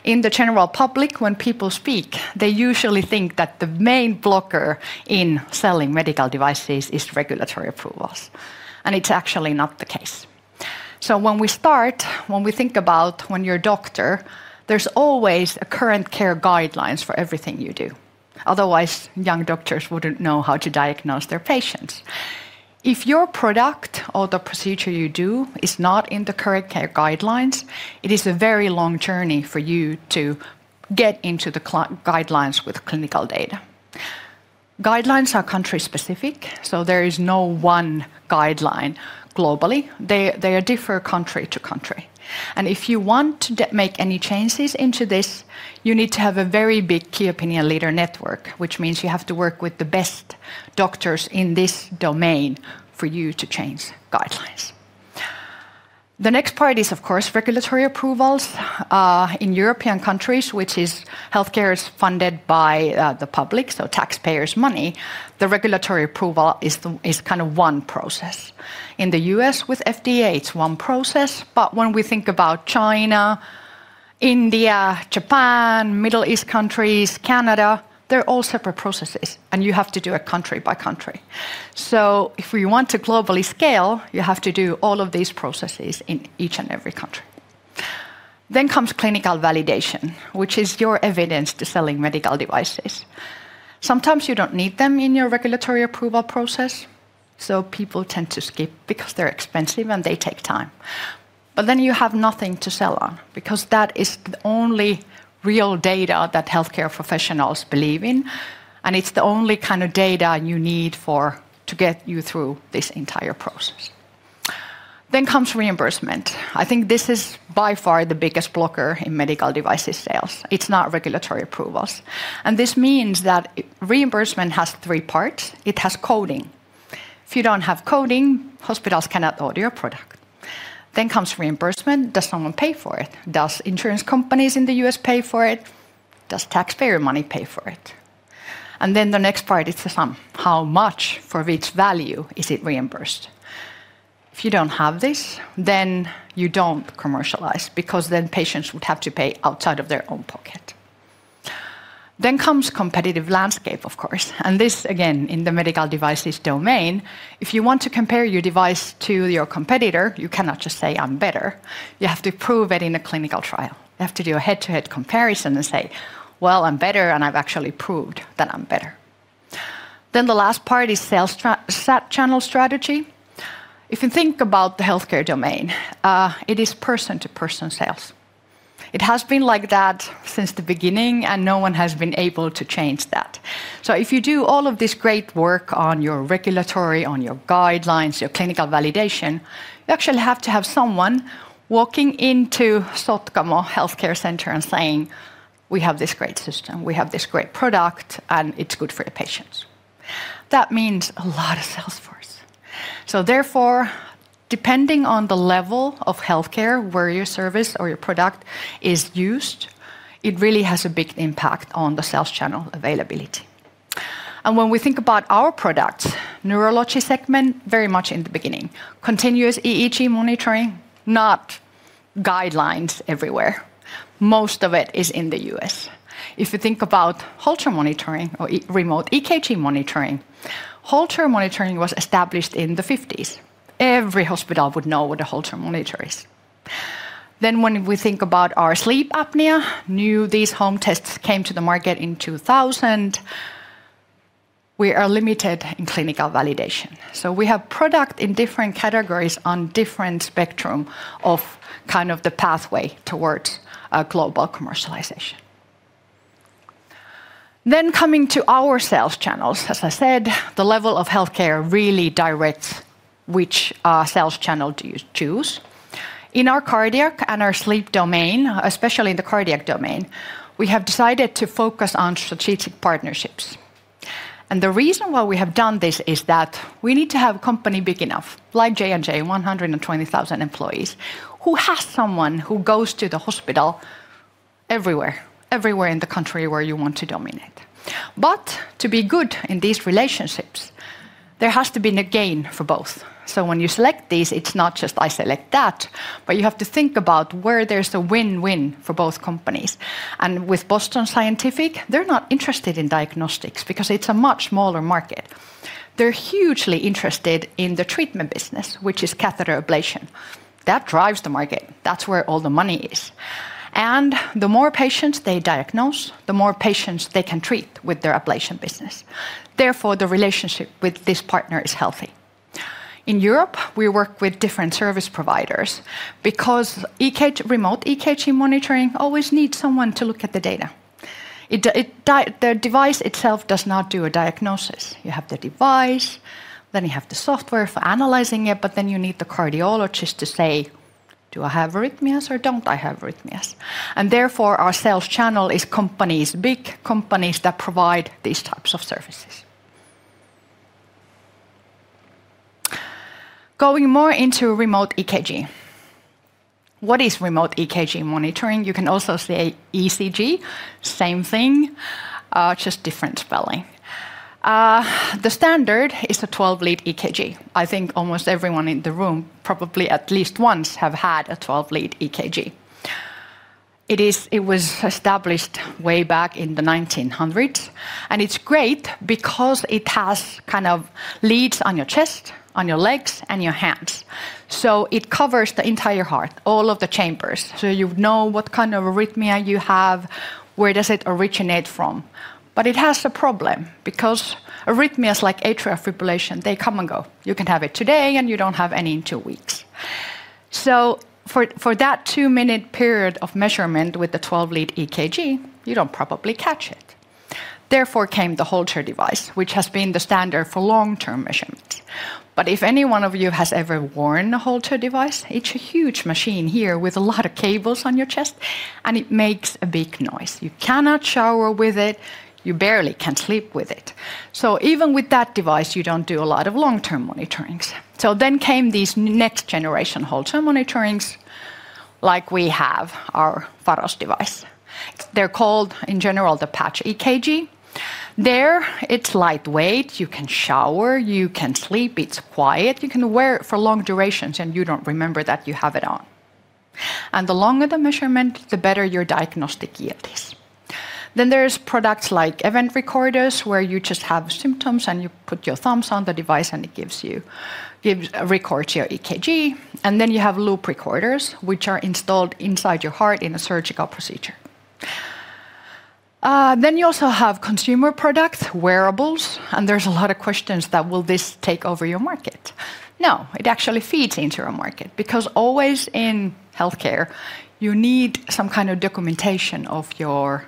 in the general public, when people speak, they usually think that the main blocker in selling medical devices is regulatory approvals. It's actually not the case. When we think about when you're a doctor, there's always current care guidelines for everything you do. Otherwise, young doctors wouldn't know how to diagnose their patients. If your product or the procedure you do is not in the current care guidelines, it is a very long journey for you to get into the guidelines with clinical data. Guidelines are country-specific, so there is no one guideline globally. They differ country to country. If you want to make any changes into this, you need to have a very big key opinion leader network, which means you have to work with the best doctors in this domain for you to change guidelines. The next part is, of course, regulatory approvals. In European countries, where healthcare is funded by the public, so taxpayers' money, the regulatory approval is kind of one process. In the U.S. with FDA, it's one process. When we think about China, India, Japan, Middle East countries, Canada, they're all separate processes, and you have to do it country by country. If we want to globally scale, you have to do all of these processes in each and every country. Clinical validation is your evidence to selling medical devices. Sometimes you don't need them in your regulatory approval process, so people tend to skip because they're expensive and they take time. You have nothing to sell on because that is the only real data that healthcare professionals believe in, and it's the only kind of data you need to get you through this entire process. Reimbursement is by far the biggest blocker in medical devices sales. It's not regulatory approvals. Reimbursement has three parts. It has coding. If you don't have coding, hospitals cannot audit your product. Reimbursement is whether someone pays for it. Do insurance companies in the U.S. pay for it? Does taxpayer money pay for it? The next part is the sum. How much for which value is it reimbursed? If you don't have this, you don't commercialize because then patients would have to pay outside of their own pocket. The competitive landscape, of course, is next. In the medical devices domain, if you want to compare your device to your competitor, you cannot just say, "I'm better." You have to prove it in a clinical trial. You have to do a head-to-head comparison and say, "I'm better, and I've actually proved that I'm better." The last part is sales channel strategy. If you think about the healthcare domain, it is person-to-person sales. It has been like that since the beginning, and no one has been able to change that. If you do all of this great work on your regulatory, on your guidelines, your clinical validation, you actually have to have someone walking into the Sotkamo Healthcare Center and saying, "We have this great system. We have this great product, and it's good for your patients." That means a lot of sales force. Therefore, depending on the level of healthcare where your service or your product is used, it really has a big impact on the sales channel availability. When we think about our products, the neurology segment is very much in the beginning. Continuous EEG monitoring, not guidelines everywhere. Most of it is in the U.S. If you think about Holter monitoring or remote EKG monitoring, Holter monitoring was established in the 1950s. Every hospital would know what a Holter monitor is. When we think about our sleep apnea, these home tests came to the market in 2000. We are limited in clinical validation. We have products in different categories on a different spectrum of the pathway towards global commercialization. Coming to our sales channels, as I said, the level of healthcare really directs which sales channel you choose. In our cardiac and our sleep domain, especially in the cardiac domain, we have decided to focus on strategic partnerships. The reason why we have done this is that we need to have a company big enough, like J&J, 120,000 employees, who has someone who goes to the hospital everywhere, everywhere in the country where you want to dominate. To be good in these relationships, there has to be a gain for both. When you select these, it's not just I select that, but you have to think about where there's a win-win for both companies. With Boston Scientific, they're not interested in diagnostics because it's a much smaller market. They're hugely interested in the treatment business, which is catheter ablation. That drives the market. That's where all the money is. The more patients they diagnose, the more patients they can treat with their ablation business. Therefore, the relationship with this partner is healthy. In Europe, we work with different service providers because remote EKG monitoring always needs someone to look at the data. The device itself does not do a diagnosis. You have the device, then you have the software for analyzing it, but then you need the cardiologist to say, "Do I have arrhythmias or don't I have arrhythmias?" Therefore, our sales channel is companies, big companies that provide these types of services. Going more into remote EKG. What is remote EKG monitoring? You can also say ECG, same thing, just different spelling. The standard is a 12-lead EKG. I think almost everyone in the room probably at least once has had a 12-lead EKG. It was established way back in the 1900s, and it's great because it has leads on your chest, on your legs, and your hands. It covers the entire heart, all of the chambers. You know what kind of arrhythmia you have, where does it originate from. It has a problem because arrhythmias like atrial fibrillation, they come and go. You can have it today, and you don't have any in two weeks. For that two-minute period of measurement with the 12-lead EKG, you don't probably catch it. Therefore came the Holter device, which has been the standard for long-term measurements. If any one of you has ever worn a Holter device, it's a huge machine here with a lot of cables on your chest, and it makes a big noise. You cannot shower with it. You barely can sleep with it. Even with that device, you don't do a lot of long-term monitorings. Next came these next-generation Holter monitorings, like we have our Faros device. They're called in general the patch EKG. There, it's lightweight. You can shower, you can sleep, it's quiet. You can wear it for long durations, and you don't remember that you have it on. The longer the measurement, the better your diagnostic yield is. There are products like event recorders, where you just have symptoms, and you put your thumbs on the device, and it records your EKG. You have loop recorders, which are installed inside your heart in a surgical procedure. You also have consumer products, wearables, and there's a lot of questions that will this take over your market. No, it actually feeds into your market because always in healthcare, you need some kind of documentation of your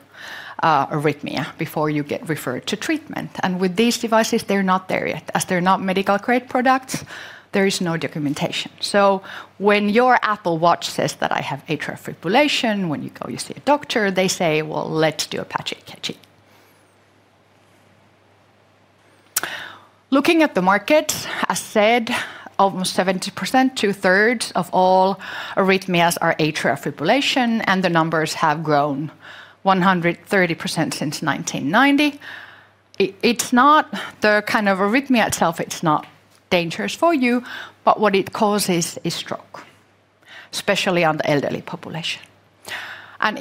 arrhythmia before you get referred to treatment. With these devices, they're not there yet. As they're not medical-grade products, there is no documentation. When your Apple Watch says that I have atrial fibrillation, when you go, you see a doctor, they say, let's do a patch EKG. Looking at the market, as I said, almost 70%, 2/3 of all arrhythmias are atrial fibrillation, and the numbers have grown 130% since 1990. It's not the kind of arrhythmia itself, it's not dangerous for you, but what it causes is stroke, especially on the elderly population.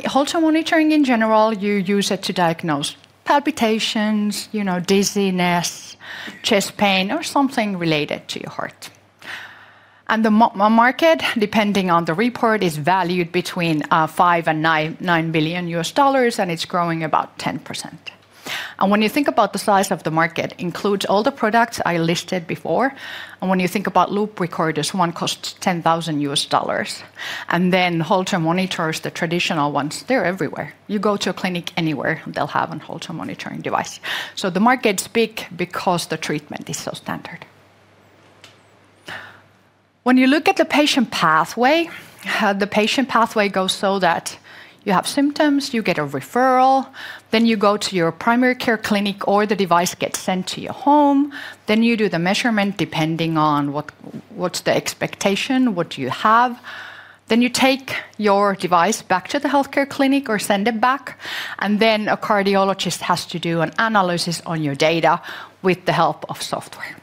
Holter monitoring in general, you use it to diagnose palpitations, dizziness, chest pain, or something related to your heart. The market, depending on the report, is valued between EUR 5 billion-EUR 9 billion, and it's growing about 10%. When you think about the size of the market, it includes all the products I listed before. When you think about loop recorders, one costs EUR 10,000, and then Holter monitors, the traditional ones, they're everywhere. You go to a clinic anywhere, and they'll have a Holter monitoring device. The market's big because the treatment is so standard. When you look at the patient pathway, the patient pathway goes so that you have symptoms, you get a referral, then you go to your primary care clinic, or the device gets sent to your home, then you do the measurement depending on what's the expectation, what you have. Then you take your device back to the healthcare clinic or send it back, and then a cardiologist has to do an analysis on your data with the help of software.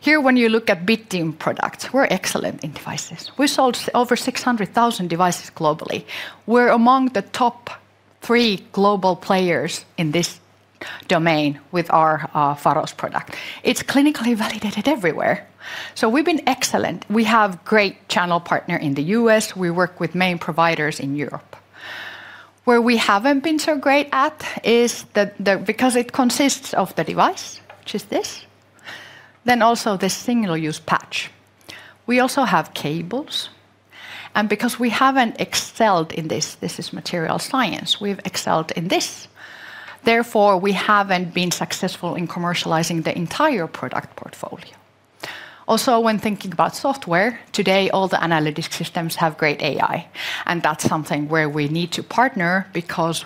Here, when you look at Bittium products, we're excellent in devices. We sold over 600,000 devices globally. We're among the top three global players in this domain with our Faros product. It's clinically validated everywhere. We've been excellent. We have a great channel partner in the U.S. We work with main providers in Europe. Where we haven't been so great at is because it consists of the device, which is this, then also the single-use patch. We also have cables, and because we haven't excelled in this, this is material science, we've excelled in this. Therefore, we haven't been successful in commercializing the entire product portfolio. Also, when thinking about software, today, all the analytic systems have great AI, and that's something where we need to partner because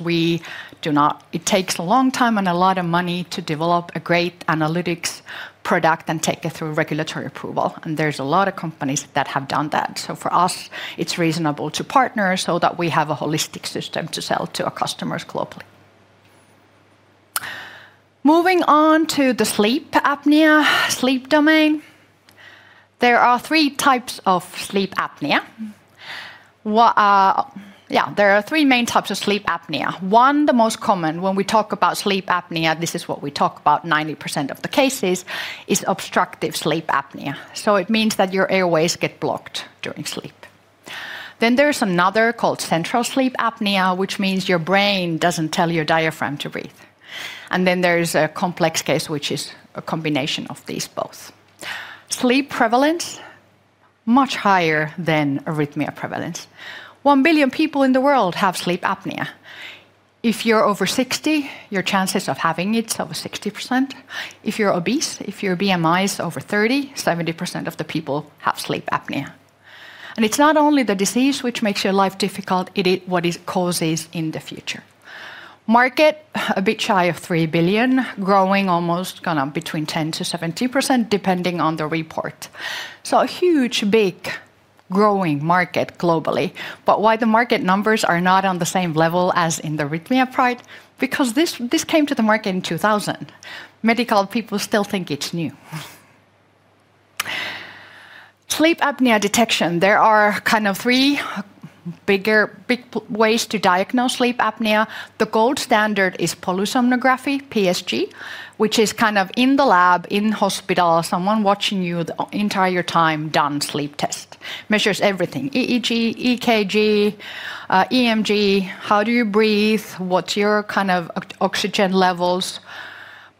it takes a long time and a lot of money to develop a great analytics product and take it through regulatory approval. There's a lot of companies that have done that. For us, it's reasonable to partner so that we have a holistic system to sell to our customers globally. Moving on to the sleep apnea, sleep domain, there are three types of sleep apnea. There are three main types of sleep apnea. One, the most common, when we talk about sleep apnea, this is what we talk about 90% of the cases, is obstructive sleep apnea. It means that your airways get blocked during sleep. Then there's another called central sleep apnea, which means your brain doesn't tell your diaphragm to breathe. Then there's a complex case, which is a combination of these both. Sleep prevalence is much higher than arrhythmia prevalence. One billion people in the world have sleep apnea. If you're over 60, your chances of having it are over 60%. If you're obese, if your BMI is over 30, 70% of the people have sleep apnea. It's not only the disease which makes your life difficult, it is what it causes in the future. Market, a bit shy of 3 billion, growing almost between 10%-70%, depending on the report. A huge, big growing market globally. Why are the market numbers not on the same level as in the arrhythmia part? This came to the market in 2000. Medical people still think it's new. Sleep apnea detection, there are kind of three bigger ways to diagnose sleep apnea. The gold standard is polysomnography, PSG, which is in the lab, in hospital, someone watching you the entire time, done sleep test. Measures everything: EEG, EKG, EMG, how you breathe, what your oxygen levels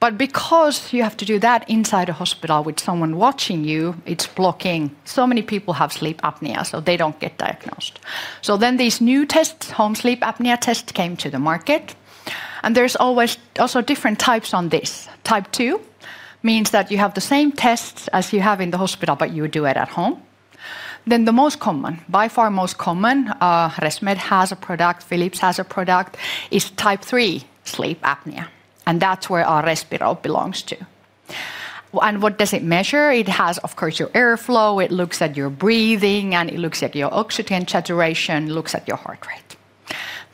are. Because you have to do that inside a hospital with someone watching you, it's blocking. Many people have sleep apnea, so they don't get diagnosed. These new tests, home sleep apnea tests, came to the market. There are also different types of this. Type 2 means that you have the same tests as you have in the hospital, but you do it at home. The most common, by far most common, ResMed has a product, Philips has a product, is type 3 sleep apnea. That's where our Respiro belongs to. What does it measure? It has, of course, your airflow, it looks at your breathing, and it looks at your oxygen saturation, looks at your heart rate.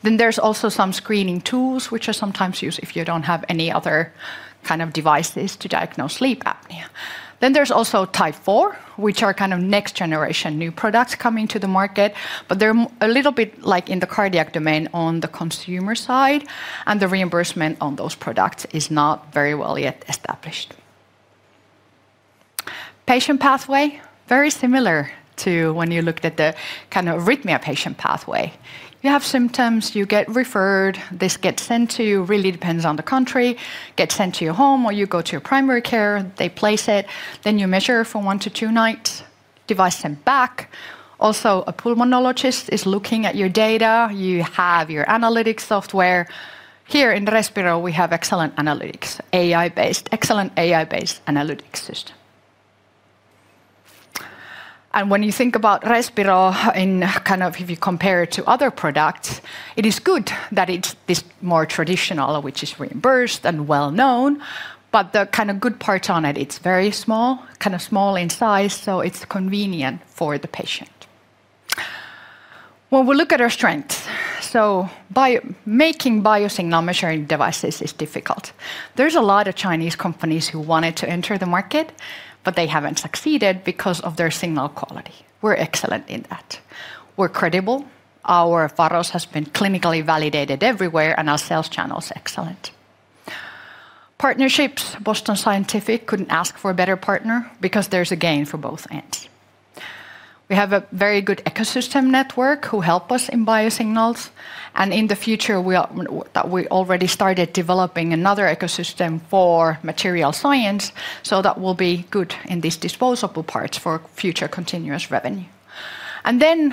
There are also some screening tools, which are sometimes used if you don't have any other devices to diagnose sleep apnea. There is also type 4, which are next-generation new products coming to the market. They're a little bit like in the cardiac domain on the consumer side, and the reimbursement on those products is not very well yet established. Patient pathway, very similar to when you looked at the arrhythmia patient pathway. You have symptoms, you get referred, this gets sent to you, really depends on the country, gets sent to your home, or you go to your primary care, they place it, then you measure it for 1-2 nights, device sent back. A pulmonologist is looking at your data, you have your analytics software. Here in Respiro, we have excellent analytics, AI-based, excellent AI-based analytics system. When you think about Respiro, if you compare it to other products, it is good that it's this more traditional, which is reimbursed and well known. The good part is it's very small, small in size, so it's convenient for the patient. When we look at our strengths, making biosignal measuring devices is difficult. There are a lot of Chinese companies who wanted to enter the market, but they haven't succeeded because of their signal quality. We're excellent in that. We're credible. Our Faros has been clinically validated everywhere, and our sales channel is excellent. Partnerships, Boston Scientific couldn't ask for a better partner because there's a gain for both ends. We have a very good ecosystem network who helps us in biosignals. In the future, we already started developing another ecosystem for material science, so that will be good in these disposable parts for future continuous revenue.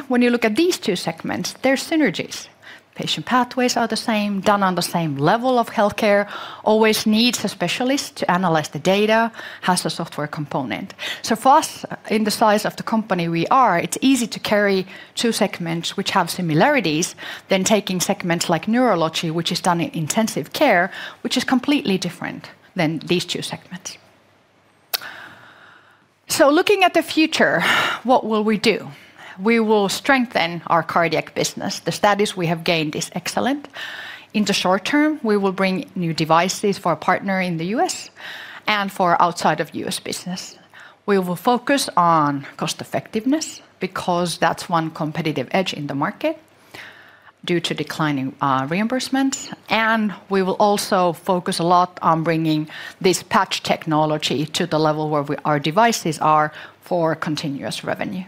When you look at these two segments, there are synergies. Patient pathways are the same, done on the same level of healthcare, always needs a specialist to analyze the data, has a software component. For us, in the size of the company we are, it's easy to carry two segments which have similarities than taking segments like neurology, which is done in intensive care, which is completely different than these two segments. Looking at the future, what will we do? We will strengthen our cardiac business. The status we have gained is excellent. In the short term, we will bring new devices for a partner in the U.S. and for outside of the U.S. business. We will focus on cost effectiveness because that's one competitive edge in the market due to declining reimbursements. We will also focus a lot on bringing this patch technology to the level where our devices are for continuous revenue.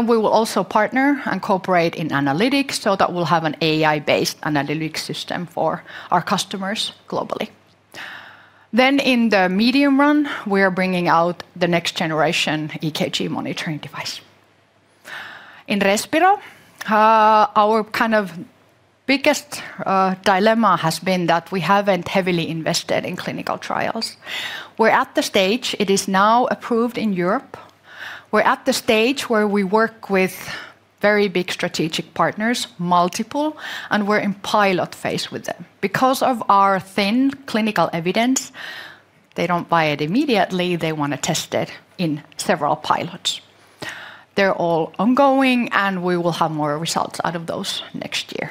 We will also partner and cooperate in analytics so that we'll have an AI-based analytics system for our customers globally. In the medium run, we are bringing out the next-generation EKG monitoring device. In Respiro, our kind of biggest dilemma has been that we haven't heavily invested in clinical trials. We're at the stage, it is now approved in Europe. We're at the stage where we work with very big strategic partners, multiple, and we're in pilot phase with them. Because of our thin clinical evidence, they don't buy it immediately. They want to test it in several pilots. They're all ongoing, and we will have more results out of those next year.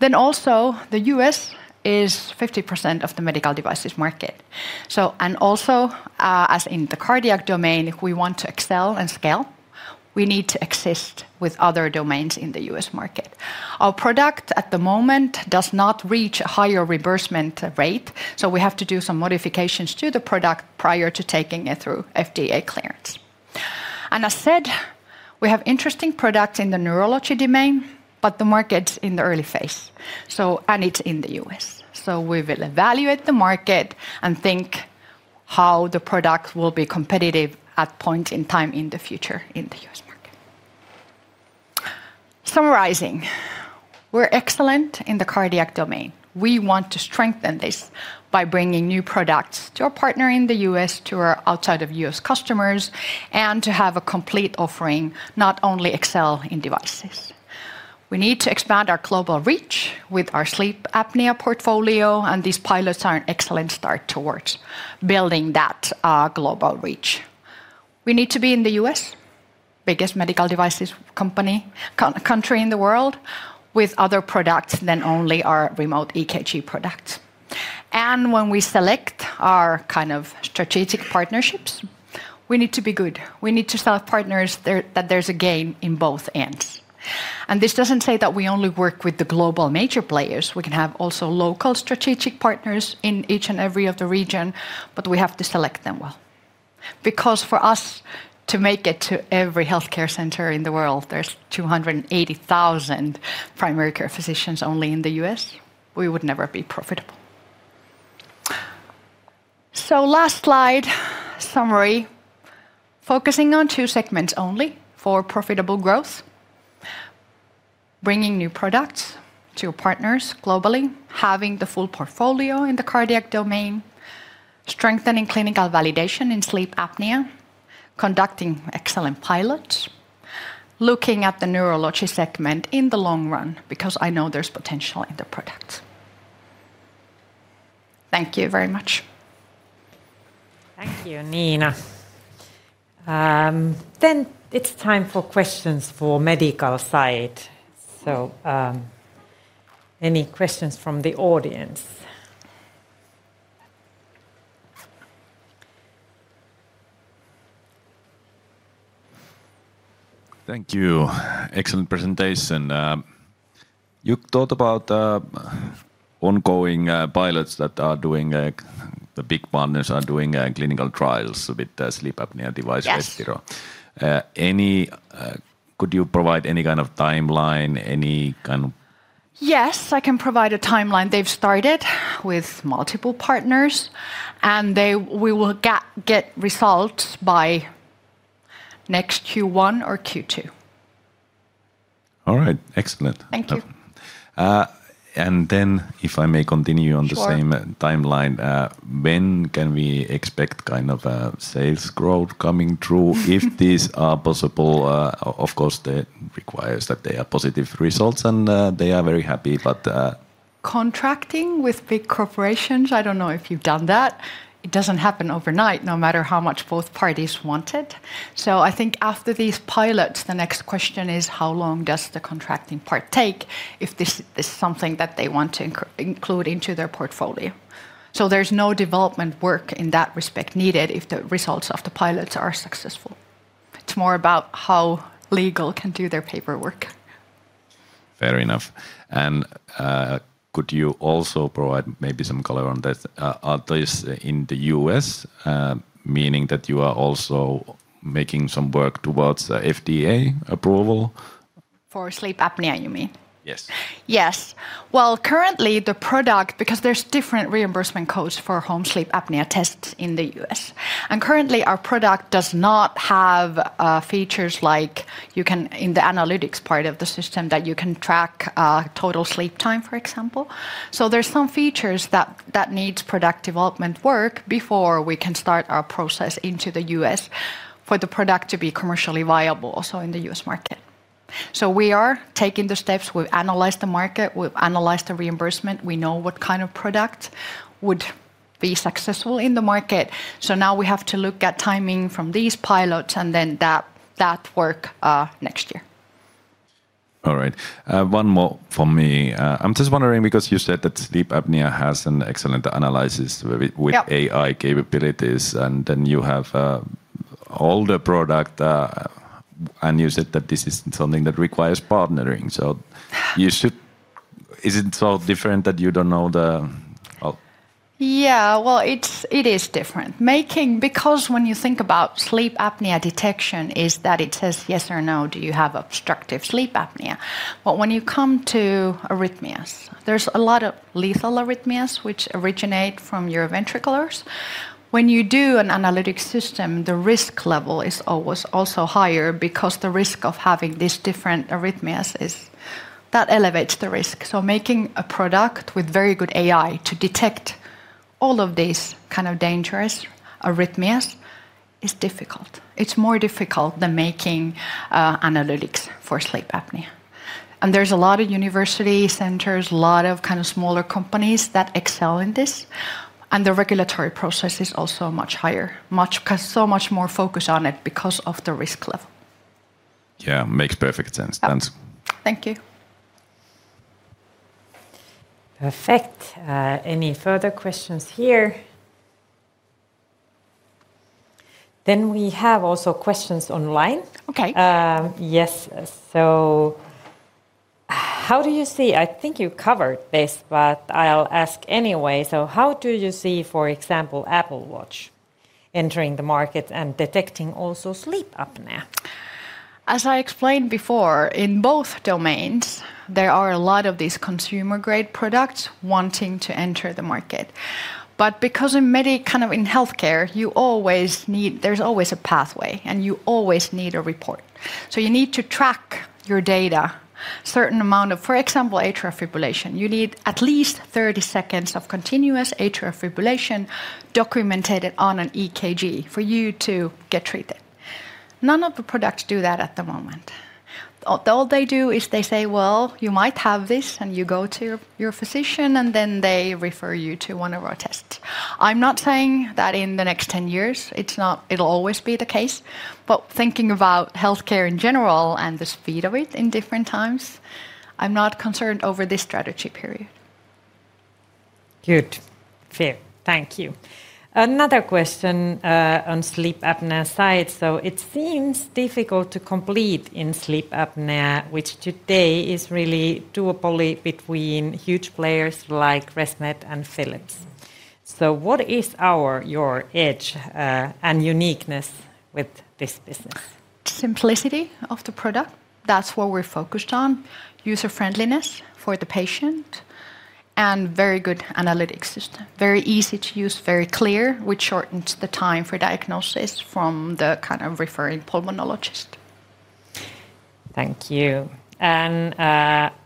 The U.S. is 50% of the medical devices market. Also, as in the cardiac domain, if we want to excel and scale, we need to exist with other domains in the U.S. market. Our product at the moment does not reach a higher reimbursement rate, so we have to do some modifications to the product prior to taking it through FDA clearance. As I said, we have interesting products in the neurology domain, but the market's in the early phase, and it's in the U.S. We will evaluate the market and think how the product will be competitive at a point in time in the future in the U.S. market. Summarizing, we're excellent in the cardiac domain. We want to strengthen this by bringing new products to our partner in the U.S., to our outside-of-U.S. customers, and to have a complete offering, not only excel in devices. We need to expand our global reach with our sleep apnea portfolio, and these pilots are an excellent start towards building that global reach. We need to be in the U.S., biggest medical devices country in the world, with other products than only our remote EKG products. When we select our kind of strategic partnerships, we need to be good. We need to sell partners that there's a gain in both ends. This doesn't say that we only work with the global major players. We can have also local strategic partners in each and every of the region, but we have to select them well. For us to make it to every healthcare center in the world, there's 280,000 primary care physicians only in the U.S., we would never be profitable. Last slide, summary, focusing on two segments only for profitable growth, bringing new products to partners globally, having the full portfolio in the cardiac domain, strengthening clinical validation in sleep apnea, conducting excellent pilots, looking at the neurology segment in the long run because I know there's potential in the products. Thank you very much. Thank you, Nina. It's time for questions for the Medical side. Any questions from the audience? Thank you. Excellent presentation. You talked about ongoing pilots that are doing... The big partners are doing clinical trials with the sleep apnea device, Respiro. Could you provide any kind of timeline? Any kind of... Yes, I can provide a timeline. They've started with multiple partners, and we will get results by next Q1 or Q2. All right, excellent. Thank you. If I may continue on the same timeline, when can we expect kind of a sales growth coming through if these are possible? Of course, that requires that they are positive results and they are very happy, but... Contracting with big corporations, I don't know if you've done that. It doesn't happen overnight, no matter how much both parties want it. I think after these pilots, the next question is how long does the contracting part take if this is something that they want to include into their portfolio. There's no development work in that respect needed if the results of the pilots are successful. It's more about how legal can do their paperwork. Fair enough. Could you also provide maybe some color on this? Are those in the U.S., meaning that you are also making some work towards FDA approval? For sleep apnea, you mean? Yes. Currently the product, because there's different reimbursement codes for home sleep apnea tests in the U.S., and currently our product does not have features like you can in the analytics part of the system that you can track total sleep time, for example. There are some features that need product development work before we can start our process into the U.S. for the product to be commercially viable also in the U.S. market. We are taking the steps. We've analyzed the market. We've analyzed the reimbursement. We know what kind of product would be successful in the market. Now we have to look at timing from these pilots and then that work next year. All right. One more for me. I'm just wondering because you said that sleep apnea has an excellent analysis with AI capabilities, and then you have all the product, and you said that this is something that requires partnering. Is it so different that you don't know the... It is different. Making... Because when you think about sleep apnea detection, it says yes or no, do you have obstructive sleep apnea? When you come to arrhythmias, there's a lot of lethal arrhythmias which originate from your ventriculars. When you do an analytic system, the risk level is always also higher because the risk of having these different arrhythmias is that elevates the risk. Making a product with very good AI to detect all of these kind of dangerous arrhythmias is difficult. It's more difficult than making analytics for sleep apnea. There's a lot of university centers, a lot of kind of smaller companies that excel in this. The regulatory process is also much higher, much because so much more focus on it because of the risk level. Yeah, makes perfect sense. Thank you. Perfect. Any further questions here? We have also questions online. Okay. Yes. How do you see, I think you covered this, but I'll ask anyway. How do you see, for example, Apple Watch entering the market and detecting also sleep apnea? As I explained before, in both domains, there are a lot of these consumer-grade products wanting to enter the market. In healthcare, you always need, there's always a pathway and you always need a report. You need to track your data, a certain amount of, for example, atrial fibrillation. You need at least 30 seconds of continuous atrial fibrillation documented on an EKG for you to get treated. None of the products do that at the moment. All they do is they say, you might have this and you go to your physician and then they refer you to one of our tests. I'm not saying that in the next 10 years, it'll always be the case. Thinking about healthcare in general and the speed of it in different times, I'm not concerned over this strategy period. Good. Thank you. Another question on sleep apnea side. It seems difficult to compete in sleep apnea, which today is really a duopoly between huge players like ResMed and Philips. What is your edge and uniqueness with this business? Simplicity of the product. That's what we're focused on. User-friendliness for the patient and very good analytic system. Very easy to use, very clear, which shortens the time for diagnosis from the kind of referring pulmonologist. Thank you.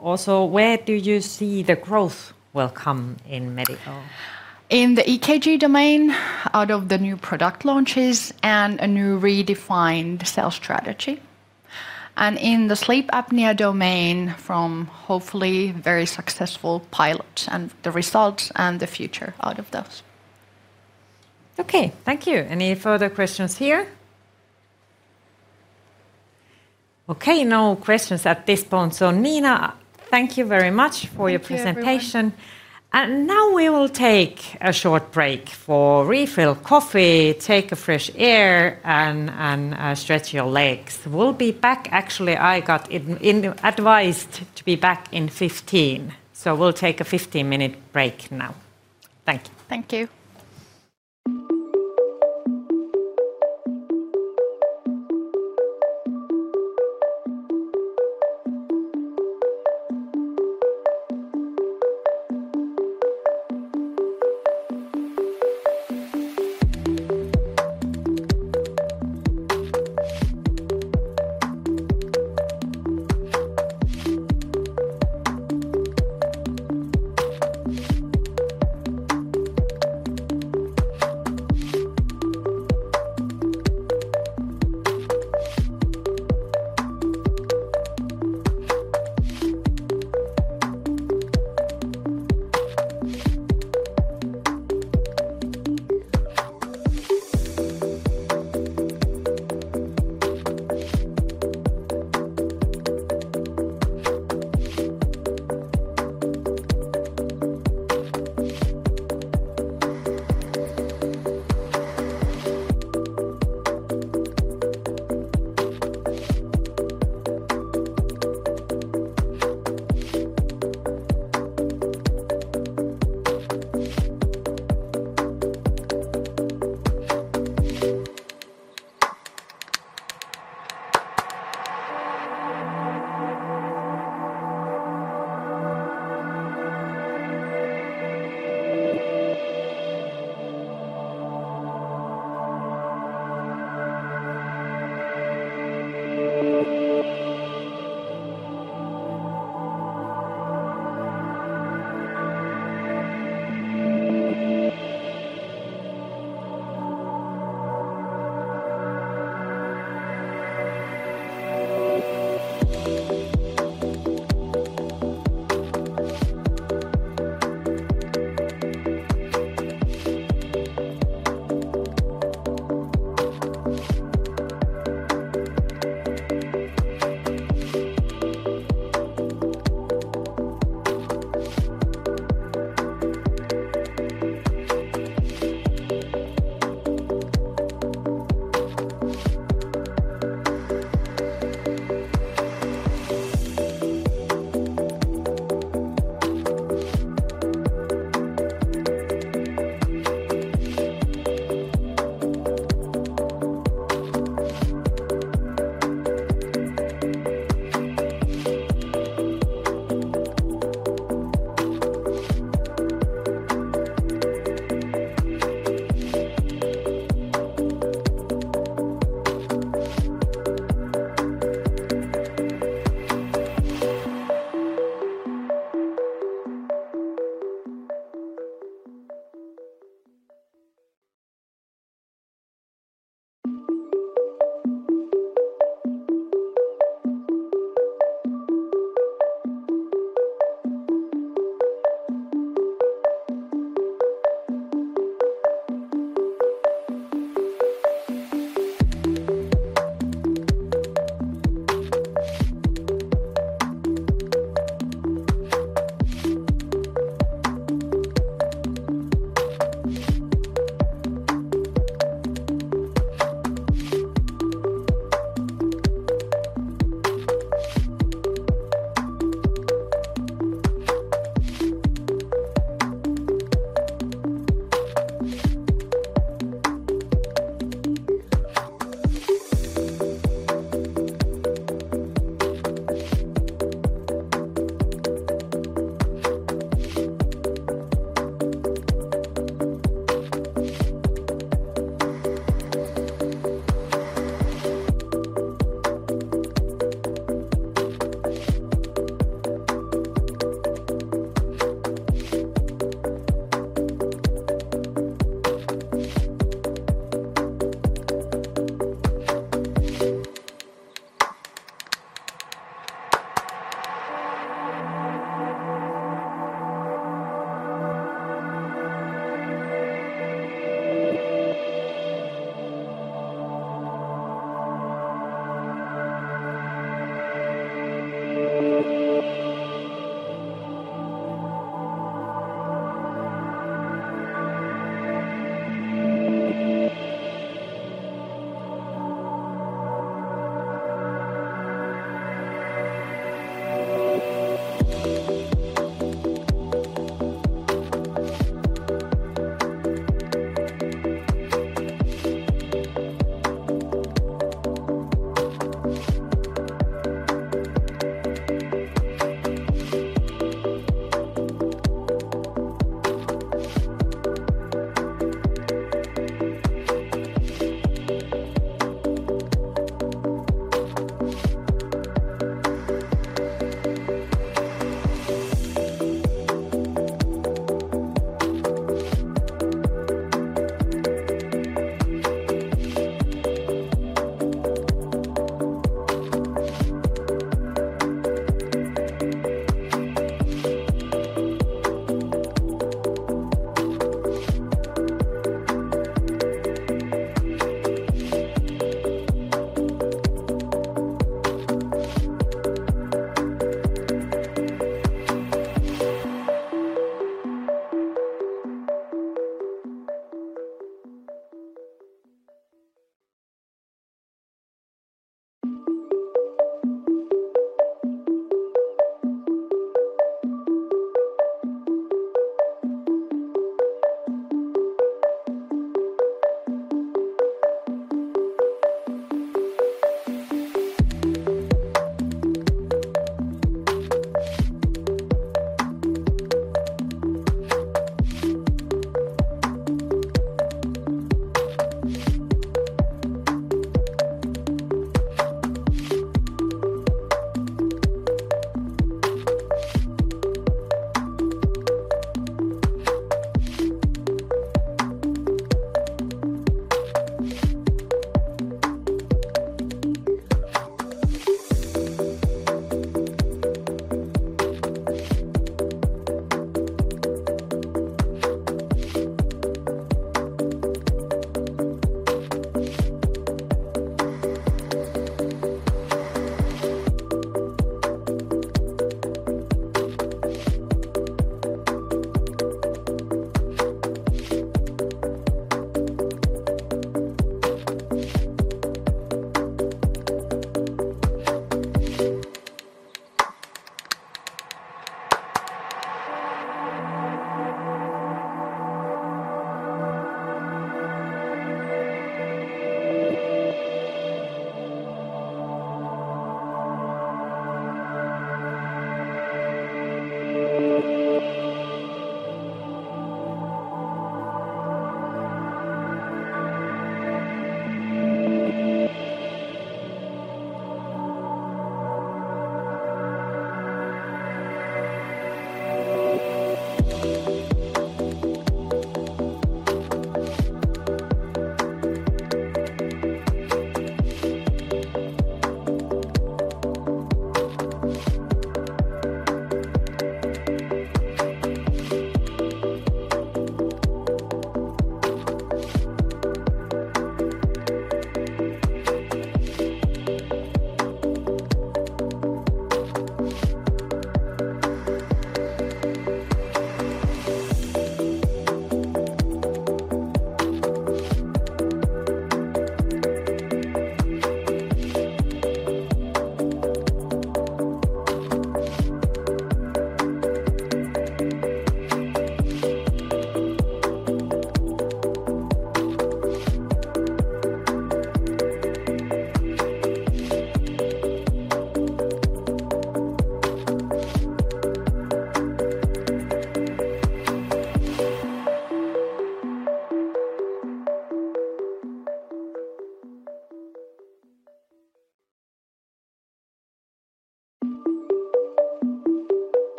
Also, where do you see the growth will come in medical? In the EKG domain, out of the new product launches and a new redefined sales strategy, in the sleep apnea domain from hopefully very successful pilots and the results and the future out of those. Okay, thank you. Any further questions here? Okay, no questions at this point. Niina, thank you very much for your presentation. Now we will take a short break to refill coffee, get some fresh air, and stretch your legs. We'll be back. Actually, I got advised to be back in 15. We'll take a 15-minute break now. Thank you. Thank.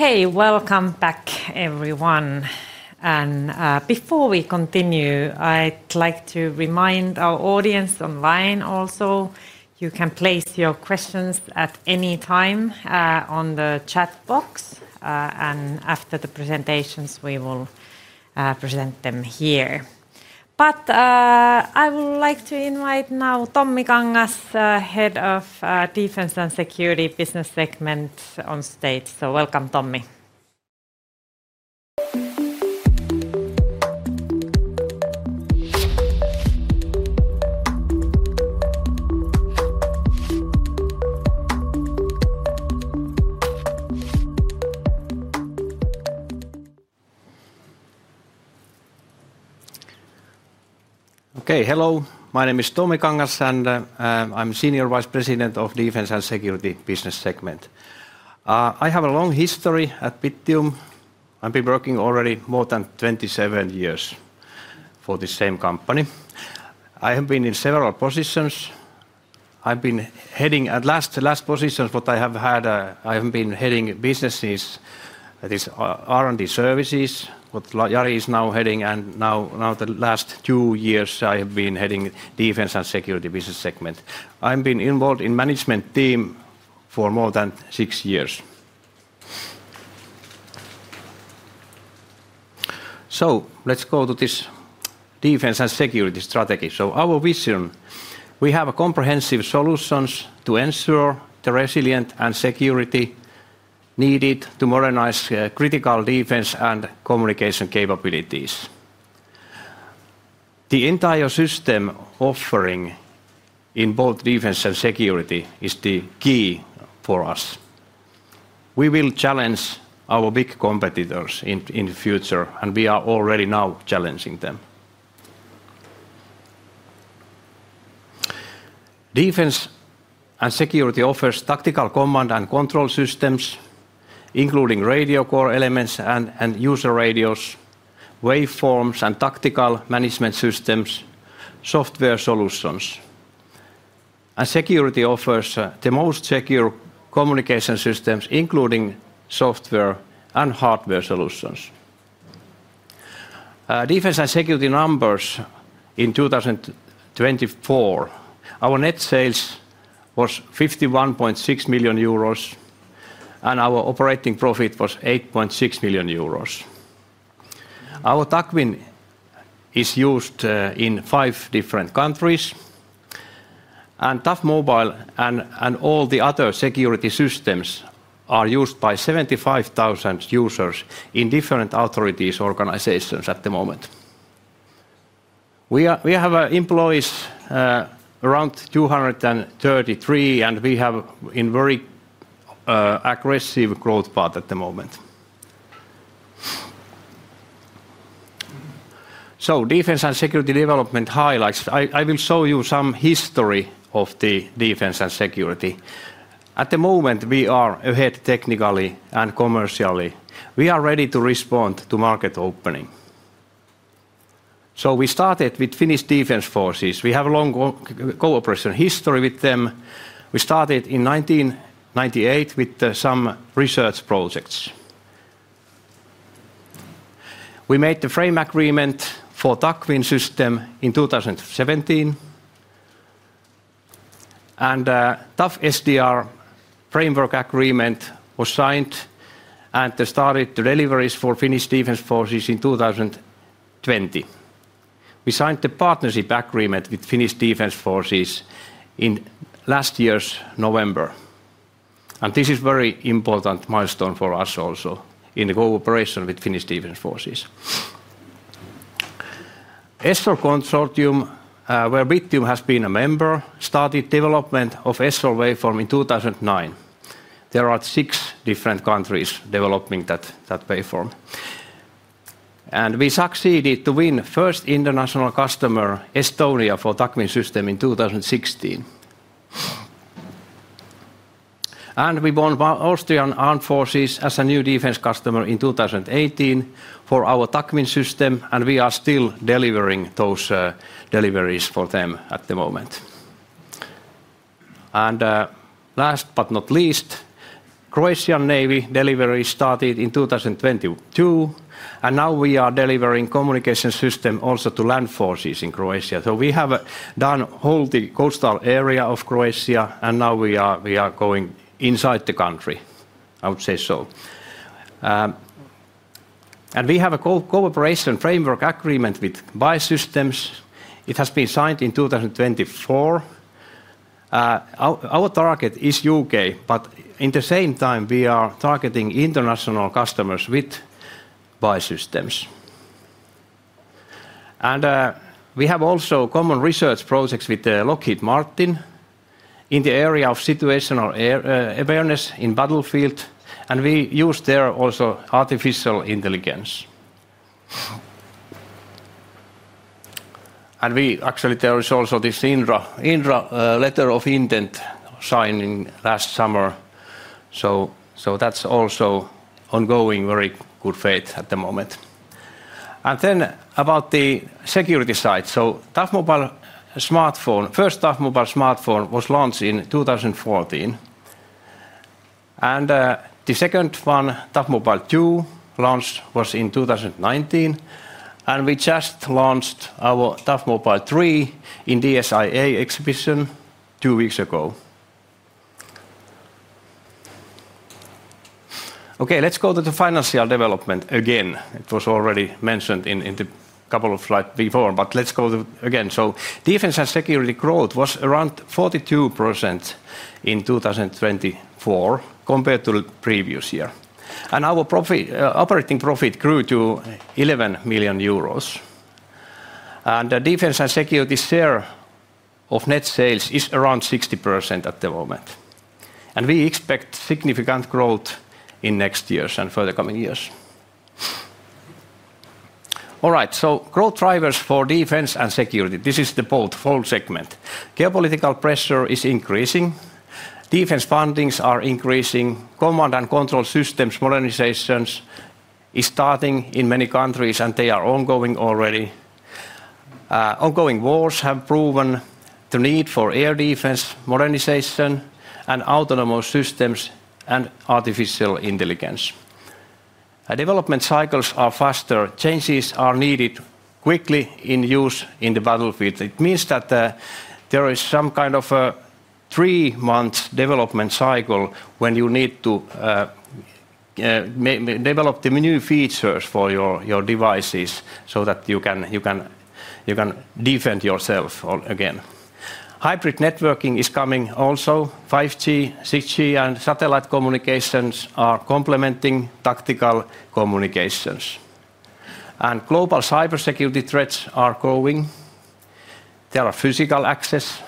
Okay, welcome back everyone. Before we continue, I'd like to remind our audience online also, you can place your questions at any time on the chat box. After the presentations, we will present them here. I would like to invite now Tommi Kangas, Head of Defense and Security Business Segment, on stage. Welcome, Tommi. Okay, hello. My name is Tommi Kangas and I'm a Senior Vice President of the Defense and Security Business Segment. I have a long history at Bittium. I've been working already more than 27 years for the same company. I have been in several positions. I've been heading at last positions, but I have had, I have been heading businesses that are on the services, what Jari is now heading. Now the last two years, I have been heading the Defense and Security Business Segment. I've been involved in the management team for more than six years. Let's go to this defense and security strategy. Our vision, we have comprehensive solutions to ensure the resilience and security needed to modernize critical defense and communication capabilities. The entire system offering in both defense and security is the key for us. We will challenge our big competitors in the future, and we are already now challenging them. Defense and security offer tactical command and control systems, including radio core elements and user radios, waveforms, and tactical management systems, software solutions. Security offers the most secure communication systems, including software and hardware solutions. Defense and security numbers in 2024, our net sales were 51.6 million euros, and our operating profit was 8.6 million euros. Our TAC WIN is used in five different countries, and Tough Mobile and all the other security systems are used by 75,000 users in different authorities' organizations at the moment. We have employees around 233, and we have a very aggressive growth path at the moment. Defense and security development highlights. I will show you some history of the defense and security. At the moment, we are ahead technically and commercially. We are ready to respond to market opening. We started with Finnish Defense Forces. We have a long cooperation history with them. We started in 1998 with some research projects. We made the frame agreement for the TAC WIN system in 2017, and the Tough SDR framework agreement was signed and started the deliveries for Finnish Defense Forces in 2020. We signed the partnership agreement with Finnish Defense Forces in last year's November. This is a very important milestone for us also in the cooperation with Finnish Defense Forces. ESSOR Consortium, where Bittium has been a member, started the development of ESSOR waveform in 2009. There are six different countries developing that waveform. We succeeded to win the first international customer, Estonia, for the TAC WIN system in 2016. We won the Austrian Armed Forces as a new defense customer in 2018 for our TAC WIN system, and we are still delivering those deliveries for them at the moment. Last but not least, the Croatian Navy delivery started in 2022, and now we are delivering communication systems also to land forces in Croatia. We have done the whole coastal area of Croatia, and now we are going inside the country, I would say. We have a cooperation framework agreement with BAE Systems. It has been signed in 2024. Our target is the U.K., but at the same time, we are targeting international customers with BAE Systems. We have also common research projects with Lockheed Martin in the area of situational awareness in the battlefield, and we use there also artificial intelligence. There is also this Indra letter of intent signed last summer. That's also ongoing, very good faith at the moment. About the security side, Tough Mobile smartphone, the first Tough Mobile smartphone was launched in 2014. The second one, Tough Mobile 2, launched in 2019, and we just launched our Tough Mobile 3 in the DSIA exhibition two weeks ago. Let's go to the financial development again. It was already mentioned in a couple of slides before, but let's go again. Defense and security growth was around 42% in 2024 compared to the previous year. Our operating profit grew to 11 million euros. The defense and security share of net sales is around 60% at the moment. We expect significant growth in the next years and further coming years. Growth drivers for defense and security: this is the whole segment. Geopolitical pressure is increasing. Defense fundings are increasing. Command and control systems modernization is starting in many countries, and they are ongoing already. Ongoing wars have proven the need for air defense modernization and autonomous systems and artificial intelligence. Development cycles are faster. Changes are needed quickly in use in the battlefield. It means that there is some kind of a three-month development cycle when you need to develop the new features for your devices so that you can defend yourself again. Hybrid networking is coming also. 5G, 6G, and satellite communications are complementing tactical communications. Global cybersecurity threats are growing. There are physical access,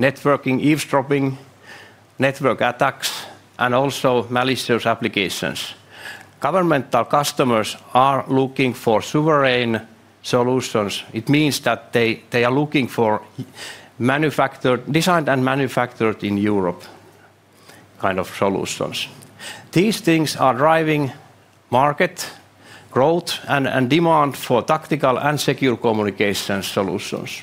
networking eavesdropping, network attacks, and also malicious applications. Governmental customers are looking for sovereign solutions. It means that they are looking for designed and manufactured in Europe kind of solutions. These things are driving market growth and demand for tactical and secure communication solutions.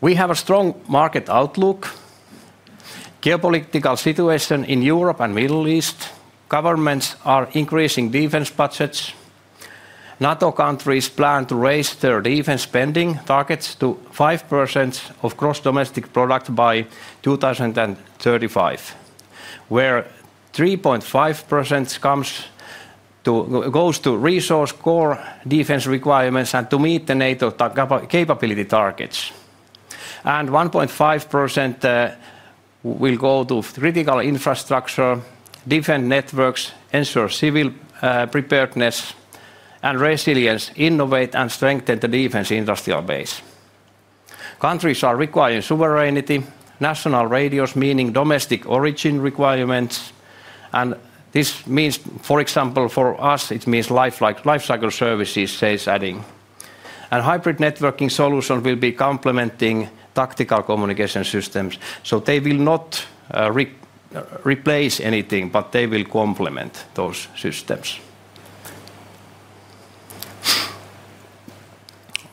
We have a strong market outlook. Geopolitical situation in Europe and the Middle East. Governments are increasing defense budgets. NATO countries plan to raise their defense spending targets to 5% of gross domestic product by 2035, where 3.5% goes to resource core defense requirements and to meet the NATO capability targets. 1.5% will go to critical infrastructure, defend networks, ensure civil preparedness, and resilience, innovate, and strengthen the defense industrial base. Countries are requiring sovereignty, national radios, meaning domestic origin requirements. This means, for example, for us, it means lifecycle services, sales adding. Hybrid networking solutions will be complementing tactical communication systems. They will not replace anything, but they will complement those systems.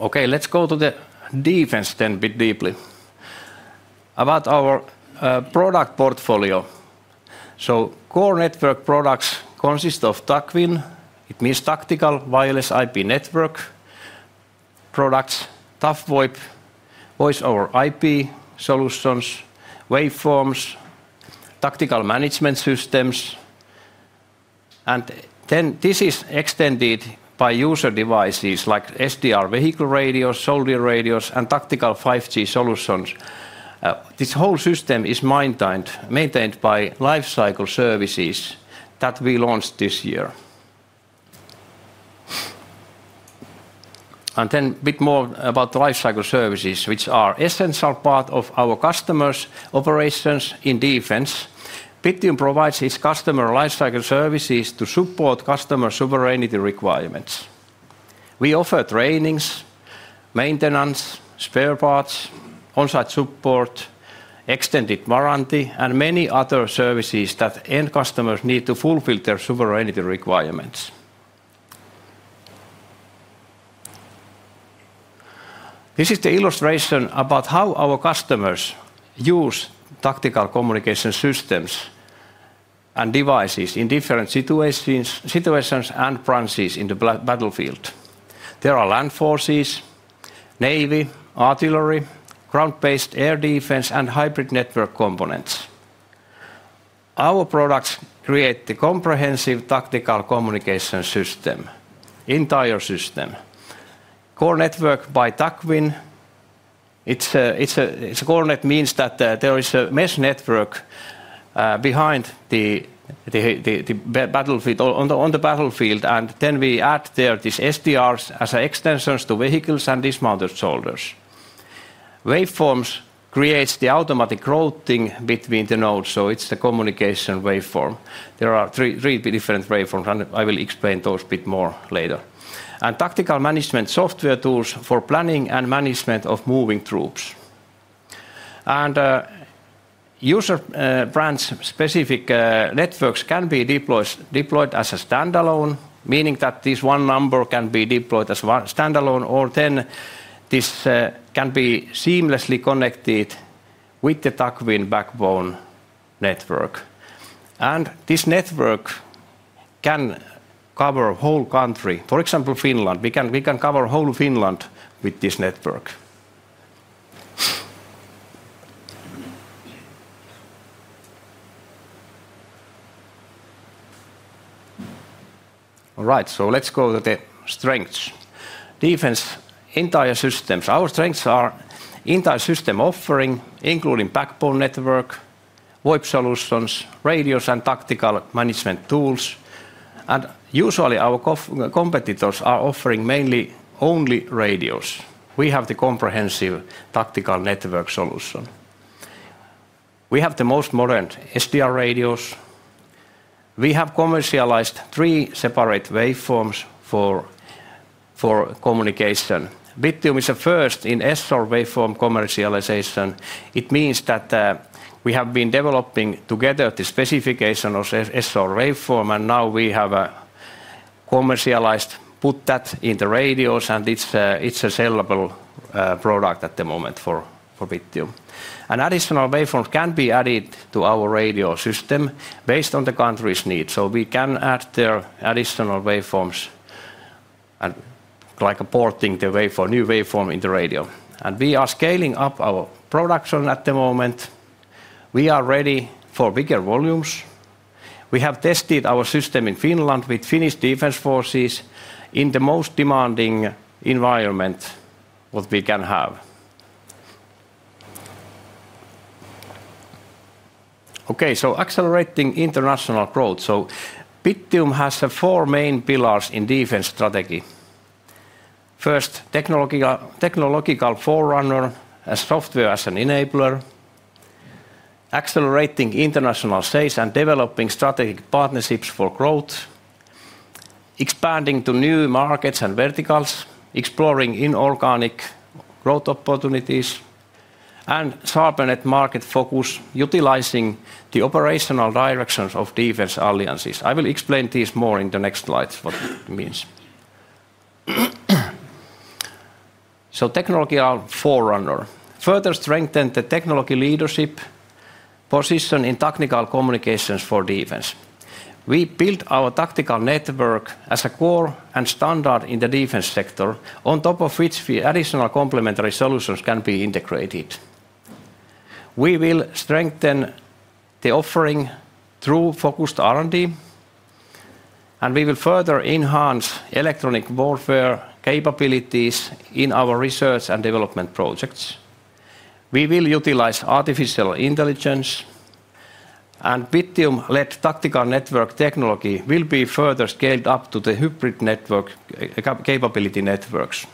Okay, let's go to the defense then a bit deeply. About our product portfolio. Core network products consist of TAC WIN, it means Tactical Wireless IP Network. Products Tough VoIP, Voice over IP solutions, waveforms, tactical management systems. This is extended by user devices like SDR vehicle radios, soldier radios, and tactical 5G solutions. This whole system is maintained by lifecycle services that we launched this year. Tactical management software tools for planning and management of moving troops are included. User brand-specific networks can be deployed as a standalone, meaning that this one number can be deployed as a standalone, or this can be seamlessly connected with the TAC WIN backbone network. This network can cover a whole country, for example, Finland. We can cover whole Finland with this network. All right, let's go to the strengths. Defense entire systems. Our strengths are entire system offering, including backbone network, VoIP solutions, radios, and tactical management tools. Usually, our competitors are offering mainly only radios. We have the comprehensive tactical network solution. We have the most modern SDR radios. We have commercialized three separate waveforms for communication. Bittium is a first in SR waveform commercialization. It means that we have been developing together the specification of SR waveform, and now we have commercialized, put that in the radios, and it's a sellable product at the moment for Bittium. Additional waveforms can be added to our radio system based on the country's needs. We can add their additional waveforms, like porting the new waveform in the radio. We are scaling up our production at the moment. We are ready for bigger volumes. We have tested our system in Finland with Finnish Defense Forces in the most demanding environment we can have. Accelerating international growth. Bittium has four main pillars in defense strategy: first, technological forerunner; software as an enabler; accelerating international sales and developing strategic partnerships for growth; expanding to new markets and verticals; exploring inorganic growth opportunities; and sharpened market focus, utilizing the operational directions of defense alliances. I will explain this more in the next slides, what it means. Technological forerunner, further strengthen the technology leadership position in tactical communications for defense. We built our tactical network as a core and standard in the defense sector, on top of which the additional complementary solutions can be integrated. We will strengthen the offering through focused R&D, and we will further enhance electronic warfare capabilities in our research and development projects. We will utilize artificial intelligence, and Bittium-led tactical network technology will be further scaled up to the hybrid network capability networks.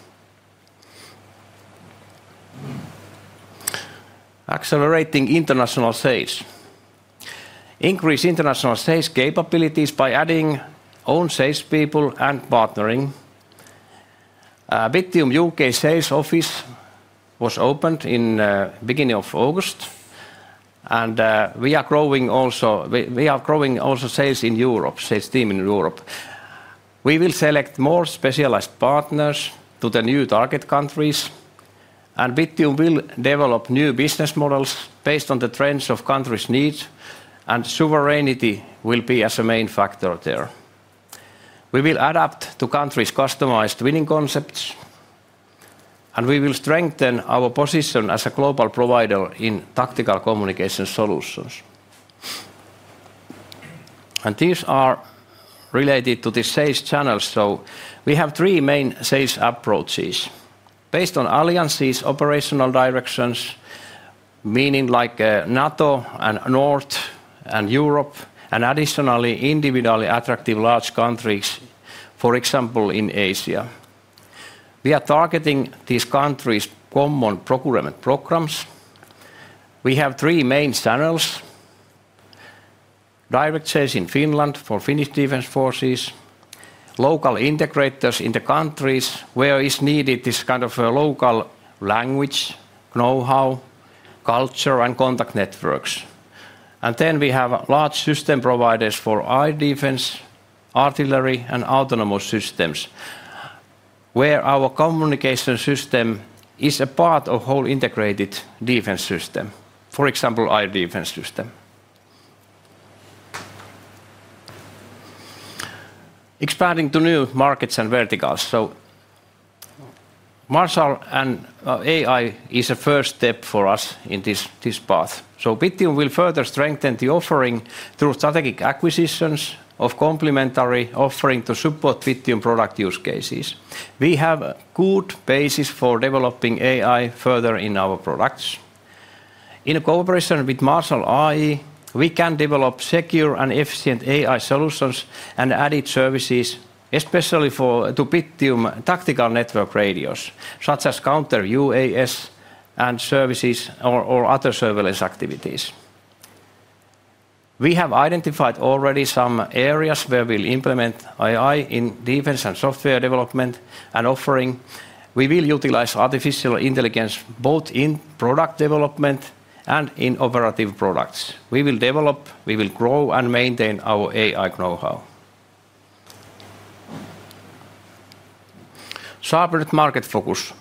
Accelerating international sales, increase international sales capabilities by adding own salespeople and partnering. Bittium UK sales office was opened in the beginning of August, and we are growing also sales in Europe, sales team in Europe. We will select more specialized partners to the new target countries, and Bittium will develop new business models based on the trends of countries' needs, and sovereignty will be as a main factor there. We will adapt to countries' customized winning concepts, and we will strengthen our position as a global provider in tactical communication solutions. These are related to the sales channels. We have three main sales approaches, based on alliances' operational directions, meaning like NATO and North and Europe, and additionally individually attractive large countries, for example in Asia. We are targeting these countries' common procurement programs. We have three main channels: direct sales in Finland for Finnish Defense Forces, local integrators in the countries where it's needed, this kind of a local language know-how, culture, and contact networks. Then we have large system providers for air defense, artillery, and autonomous systems, where our communication system is a part of a whole integrated defense system, for example, air defense system. Expanding to new markets and verticals, MarshallAI is a first step for us in this path. Bittium will further strengthen the offering through strategic acquisitions of complementary offering to support Bittium product use cases. We have a good basis for developing AI further in our products. In a cooperation with MarshallAI, we can develop secure and efficient AI solutions and added services, especially for Bittium tactical network radios, such as counter UAS and services or other surveillance activities. We have identified already some areas where we'll implement AI in defense and software development and offering. We will utilize artificial intelligence both in product development and in operative products. We will develop, we will grow, and maintain our AI know-how. Sharpened market focus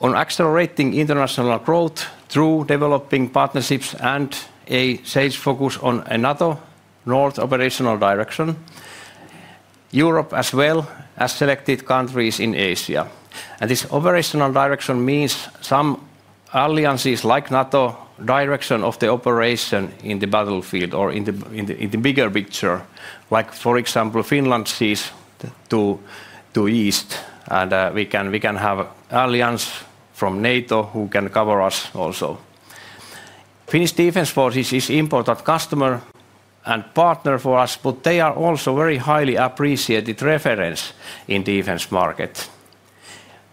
on accelerating international growth through developing partnerships and a sales focus on a NATO, North operational direction, Europe as well as selected countries in Asia. This operational direction means some alliances like NATO, direction of the operation in the battlefield or in the bigger picture, like for example Finland sees to the east, and we can have alliance from NATO who can cover us also. Finnish Defense Forces is an important customer and partner for us, but they are also a very highly appreciated reference in the defense market.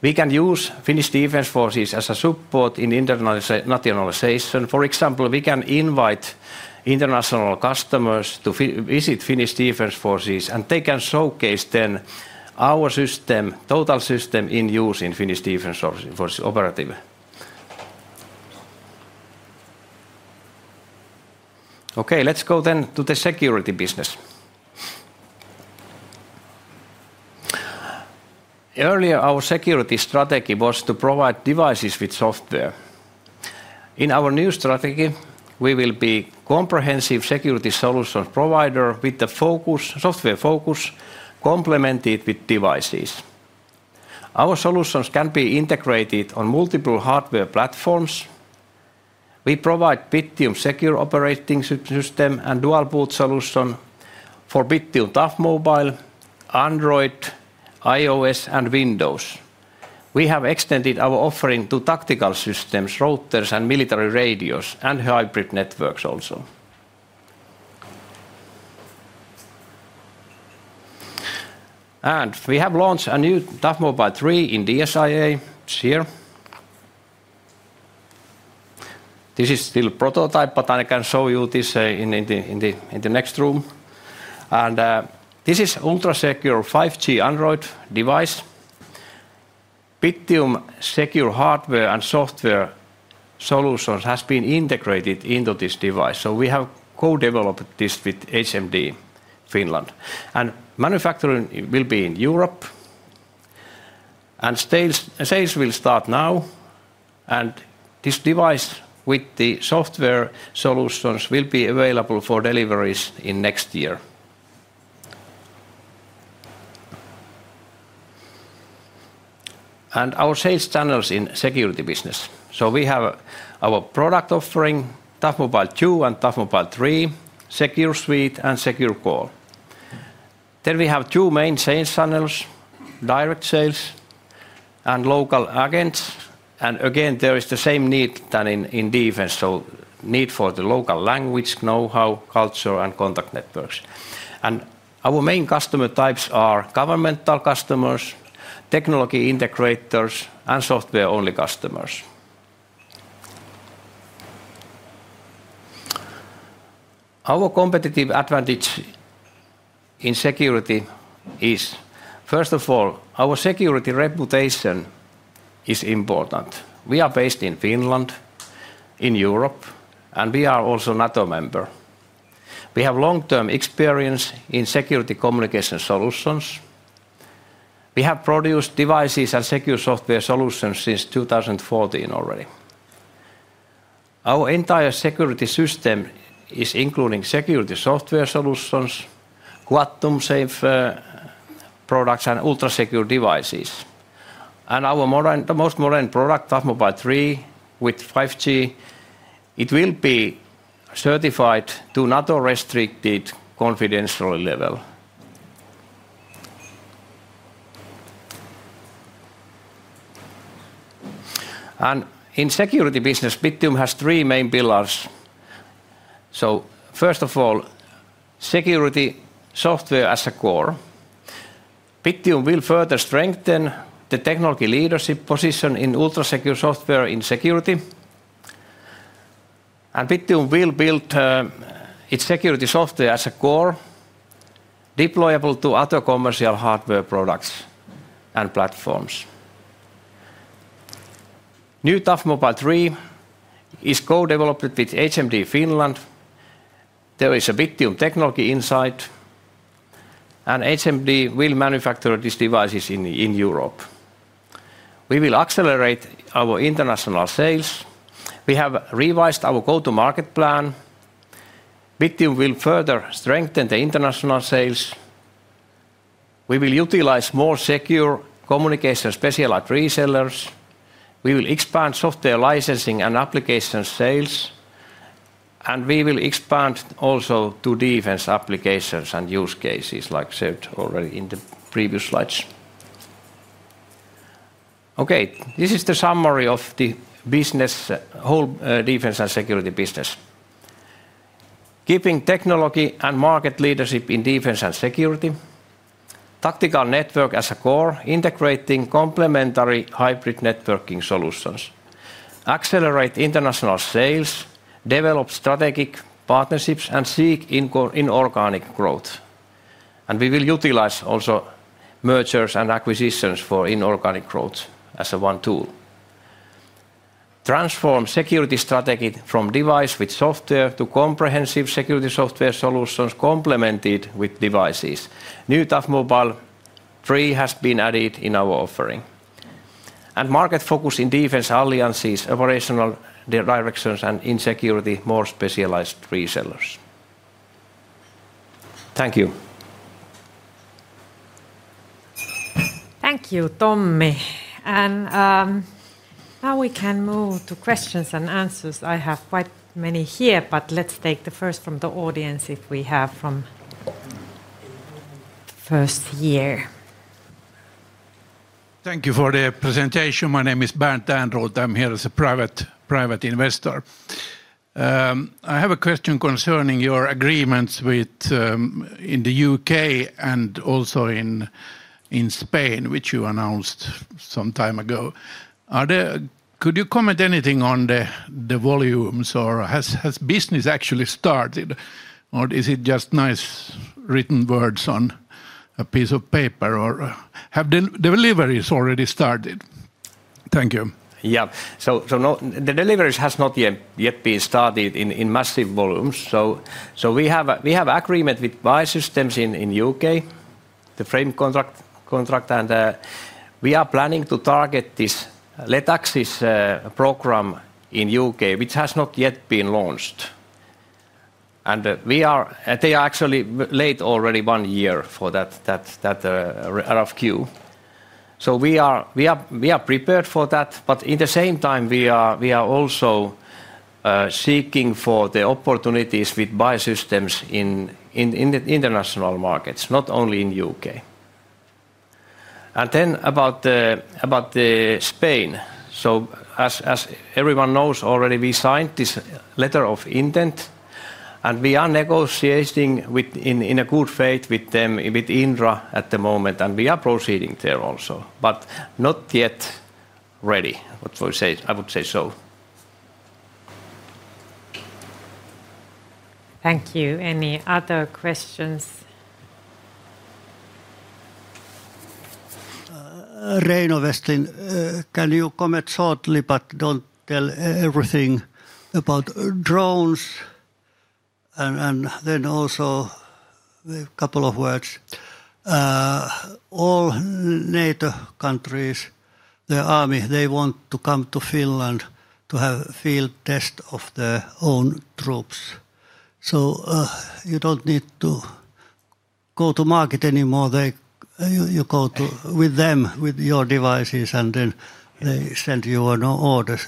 We can use Finnish Defense Forces as a support in internationalization. For example, we can invite international customers to visit Finnish Defense Forces, and they can showcase then our system, total system in use in Finnish Defense Forces operative. Okay, let's go then to the security business. Earlier, our security strategy was to provide devices with software. In our new strategy, we will be a comprehensive security solutions provider with the software focus complemented with devices. Our solutions can be integrated on multiple hardware platforms. We provide Bittium secure operating system and dual boot solution for Bittium Tough Mobile, Android, iOS, and Windows. We have extended our offering to tactical systems, routers, and military radios, and hybrid networks also. We have launched a new Tough Mobile 3 in DSIA. This is still a prototype, but I can show you this in the next room. This is an ultra-secure 5G Android device. Bittium secure hardware and software solutions have been integrated into this device. We have co-developed this with HMD Finland. Manufacturing will be in Europe. Sales will start now. This device with the software solutions will be available for deliveries in next year. Our sales channels in the security business: we have our product offering, Tough Mobile 2 and Tough Mobile 3, Secure Suite and Secure Call. We have two main sales channels, direct sales and local agents. There is the same need as in defense, the need for the local language, know-how, culture, and contact networks. Our main customer types are governmental customers, technology integrators, and software-only customers. Our competitive advantage in security is, first of all, our security reputation is important. We are based in Finland, in Europe, and we are also a NATO member. We have long-term experience in security communication solutions. We have produced devices and secure software solutions since 2014 already. Our entire security system is including security software solutions, quantum safe products, and ultra-secure devices. Our most modern product, Tough Mobile 3 with 5G, will be certified to NATO-restricted confidential level. In the security business, Bittium has three main pillars. First of all, security software as a core. Bittium will further strengthen the technology leadership position in ultra-secure software in security. Bittium will build its security software as a core deployable to other commercial hardware products and platforms. New Tough Mobile 3 is co-developed with HMD Finland. There is a Bittium technology inside. HMD will manufacture these devices in Europe. We will accelerate our international sales. We have revised our go-to-market plan. Bittium will further strengthen the international sales. We will utilize more secure communication specialized resellers. We will expand software licensing and application sales. We will expand also to defense applications and use cases like said already in the previous slides. This is the summary of the business, whole defense and security business. Keeping technology and market leadership in defense and security. Tactical network as a core, integrating complementary hybrid networking solutions. Accelerate international sales, develop strategic partnerships, and seek inorganic growth. We will utilize also mergers and acquisitions for inorganic growth as one tool. Transform security strategy from device with software to comprehensive security software solutions complemented with devices. New Tough Mobile 3 has been added in our offering. Market focus in defense alliances, operational directions, and in security, more specialized resellers. Thank you. Thank you, Tommi. Now we can move to questions and answers. I have quite many here, but let's take the first from the audience if we have from the first year. Thank you for the presentation. My name is Bernd Ondruch. I'm here as a private investor. I have a question concerning your agreements in the U.K. and also in Spain, which you announced some time ago. Could you comment anything on the volumes or has business actually started or is it just nice written words on a piece of paper or have the deliveries already started? Thank you. Yeah, the deliveries have not yet been started in massive volumes. We have an agreement with BAE Systems in the U.K., the frame contract, and we are planning to target this LaTeX program in the U.K., which has not yet been launched. They are actually late already one year for that RFQ. We are prepared for that, but at the same time, we are also seeking opportunities with BAE Systems in the international markets, not only in the U.K. About Spain, as everyone knows already, we signed this letter of intent and we are negotiating in good faith with Indra at the moment, and we are proceeding there also, but not yet ready. I would say so. Thank you. Any other questions? [Reino Vestin], can you comment shortly but don't tell everything about drones? Also, a couple of words. All NATO countries, the army, they want to come to Finland to have a field test of their own troops. You don't need to go to market anymore. You go with them with your devices, and they send you an order.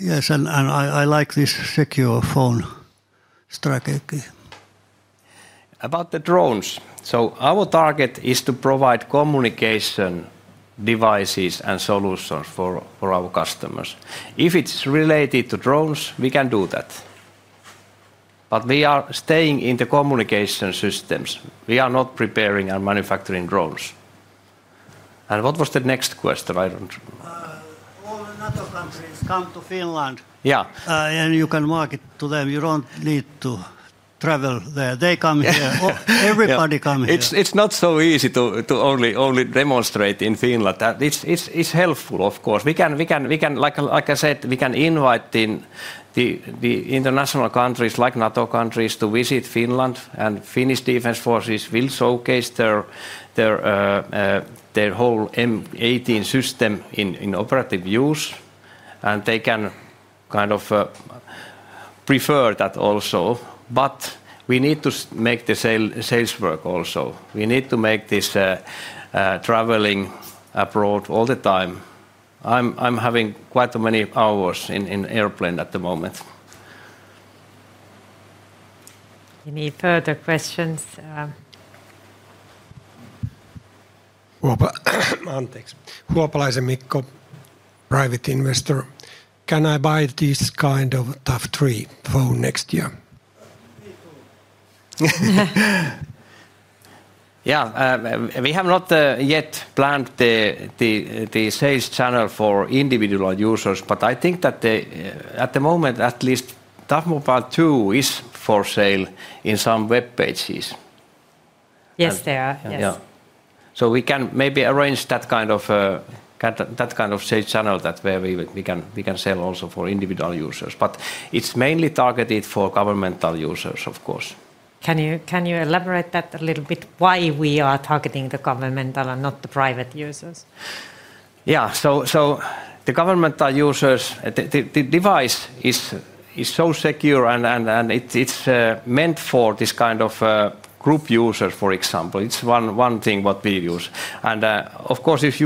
Yes, and I like this secure phone strategy. About the drones, our target is to provide communication devices and solutions for our customers. If it's related to drones, we can do that. We are staying in the communication systems. We are not preparing and manufacturing drones. What was the next question? All NATO countries come to Finland. Yeah. You can market to them. You don't need to travel there. They come here. Everybody comes here. It's not so easy to only demonstrate in Finland. It's helpful, of course. Like I said, we can invite the international countries like NATO countries to visit Finland, and Finnish Defense Forces will showcase their whole M18 system in operative use. They can kind of prefer that also. We need to make the sales work also. We need to make this traveling abroad all the time. I'm having quite many hours in an airplane at the moment. Any further questions? Mikko Huopalainen, private investor, can I buy this kind of Tough Mobile phone next year? Yeah, we have not yet planned the sales channel for individual users, but I think that at the moment, at least Tough Mobile 2 is for sale in some web pages. Yes, they are. We can maybe arrange that kind of sales channel. That way, we can sell also for individual users, but it's mainly targeted for governmental users, of course. Can you elaborate that a little bit, why we are targeting the governmental and not the private users? Yeah, the governmental users, the device is so secure and it's meant for this kind of group users, for example. It's one thing what we use. Of course, if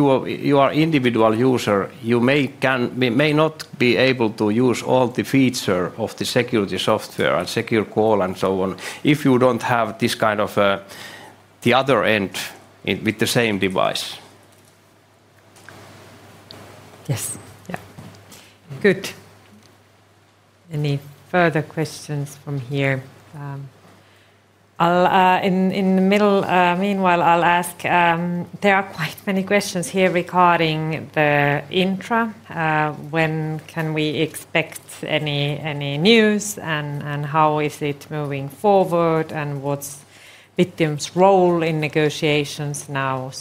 you are an individual user, you may not be able to use all the features of the security software and secure call and so on if you don't have this kind of the other end with the same device. Yes. Good. Any further questions from here? In the middle, meanwhile, I'll ask, there are quite many questions here regarding the Indra. When can we expect any news and how is it moving forward, and what's Bittium's role in negotiations now?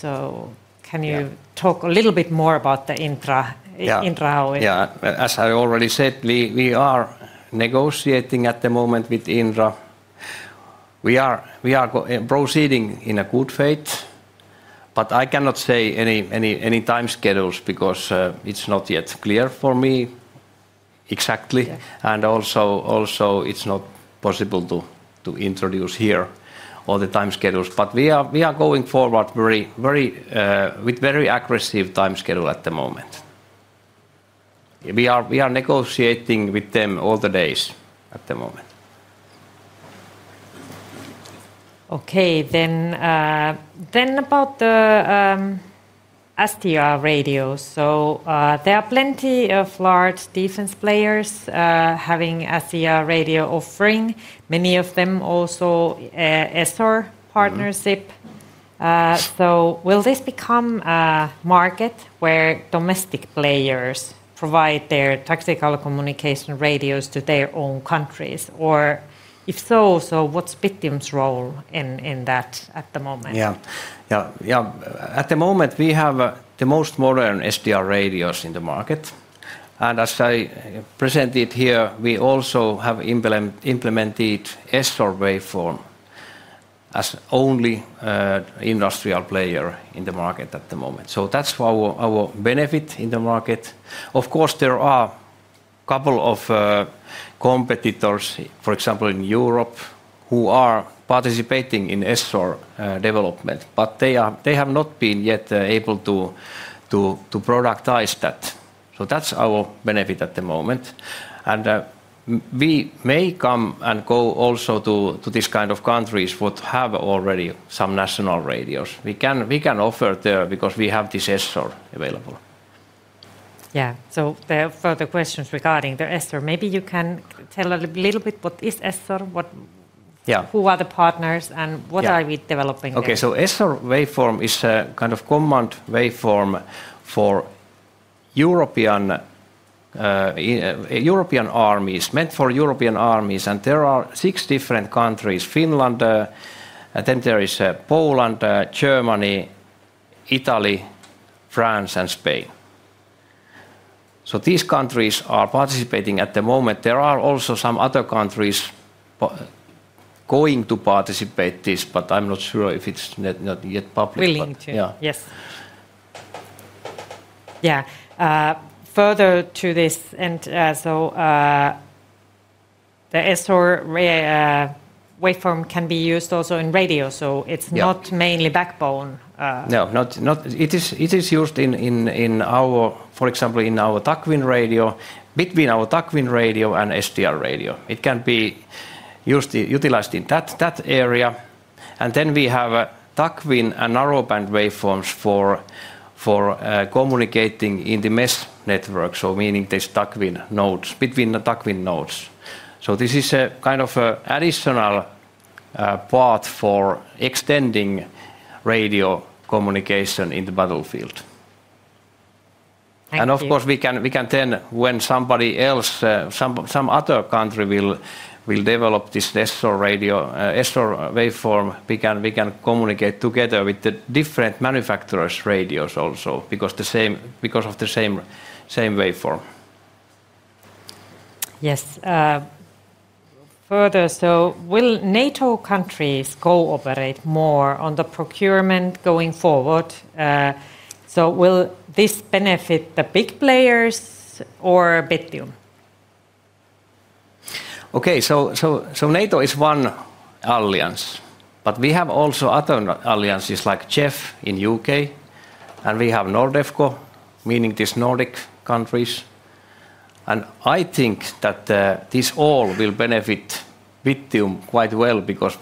Can you talk a little bit more about the Indra? Yeah, as I already said, we are negotiating at the moment with Indra. We are proceeding in good faith, but I cannot say any time schedules because it's not yet clear for me exactly. It's not possible to introduce here all the time schedules. We are going forward with a very aggressive time schedule at the moment. We are negotiating with them all the days at the moment. Okay, then about the SDR radio. There are plenty of large defense players having SDR radio offering. Many of them also have an ESSOR partnership. Will this become a market where domestic players provide their tactical communication radios to their own countries? If so, what's Bittium's role in that at the moment? At the moment, we have the most modern SDR radios in the market. As I presented here, we also have implemented ESSOR waveform as the only industrial player in the market at the moment. That's our benefit in the market. Of course, there are a couple of competitors, for example, in Europe, who are participating in ESSOR development, but they have not been yet able to productize that. That's our benefit at the moment. We may come and go also to these kinds of countries that have already some national radios. We can offer there because we have this ESSOR available. Yeah, there are further questions regarding the ESSOR. Maybe you can tell a little bit what is ESSOR, who are the partners, and what are we developing? Okay, ESSOR waveform is a kind of command waveform for European armies, meant for European armies. There are six different countries: Finland, Poland, Germany, Italy, France, and Spain. These countries are participating at the moment. There are also some other countries going to participate in this, but I'm not sure if it's not yet publicly. Willing to, yes. Further to this, the ESSOR waveform can be used also in radio. It's not mainly backbone. No, it is used in our, for example, in our TAC WIN radio, between our TAC WIN radio and SDR radio. It can be utilized in that area. We have TAC WIN and narrowband waveforms for communicating in the mesh network, meaning these TAC WIN nodes, between the TAC WIN nodes. This is a kind of additional path for extending radio communication in the battlefield. Of course, we can then, when somebody else, some other country will develop this ESSOR waveform, we can communicate together with the different manufacturers' radios also because of the same waveform. Yes, further, will NATO countries cooperate more on the procurement going forward? Will this benefit the big players or Bittium? Okay, NATO is one alliance, but we have also other alliances like CHEF in the U.K., and we have NORDEFCO, meaning these Nordic countries. I think that this all will benefit Bittium quite well because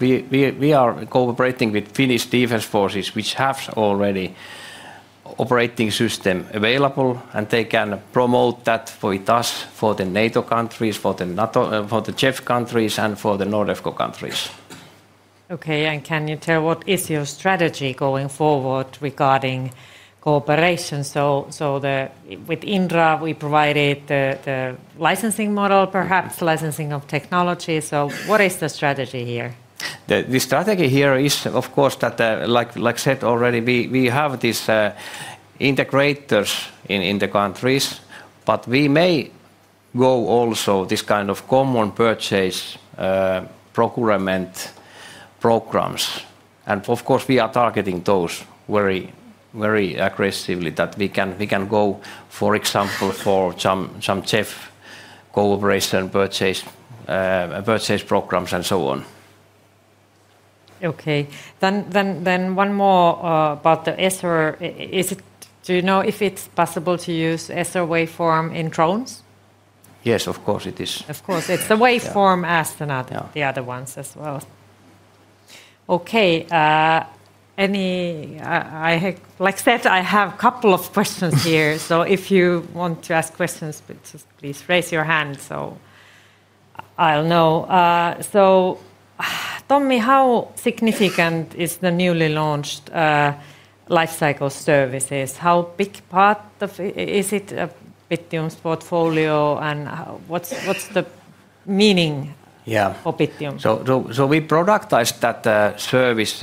we are cooperating with Finnish Defense Forces, which have already an operating system available, and they can promote that for us, for the NATO countries, for the CHEF countries, and for the NORDEFCO countries. Okay, can you tell what is your strategy going forward regarding cooperation? With Indra, we provided the licensing model, perhaps licensing of technology. What is the strategy here? The strategy here is, of course, that like I said already, we have these integrators in the countries, but we may go also this kind of common purchase procurement programs. Of course, we are targeting those very, very aggressively that we can go, for example, for some CHEF cooperation purchase programs and so on. Okay, then one more about the ESSOR. Is it, do you know if it's possible to use ESSOR waveform in drones? Yes, of course it is. Of course, it's the waveform as the other ones as well. Like I said, I have a couple of questions here. If you want to ask questions, please raise your hand so I'll know. Tommi, how significant is the newly launched lifecycle services? How big part of it is it a Bittium's portfolio and what's the meaning for Bittium? We productized that service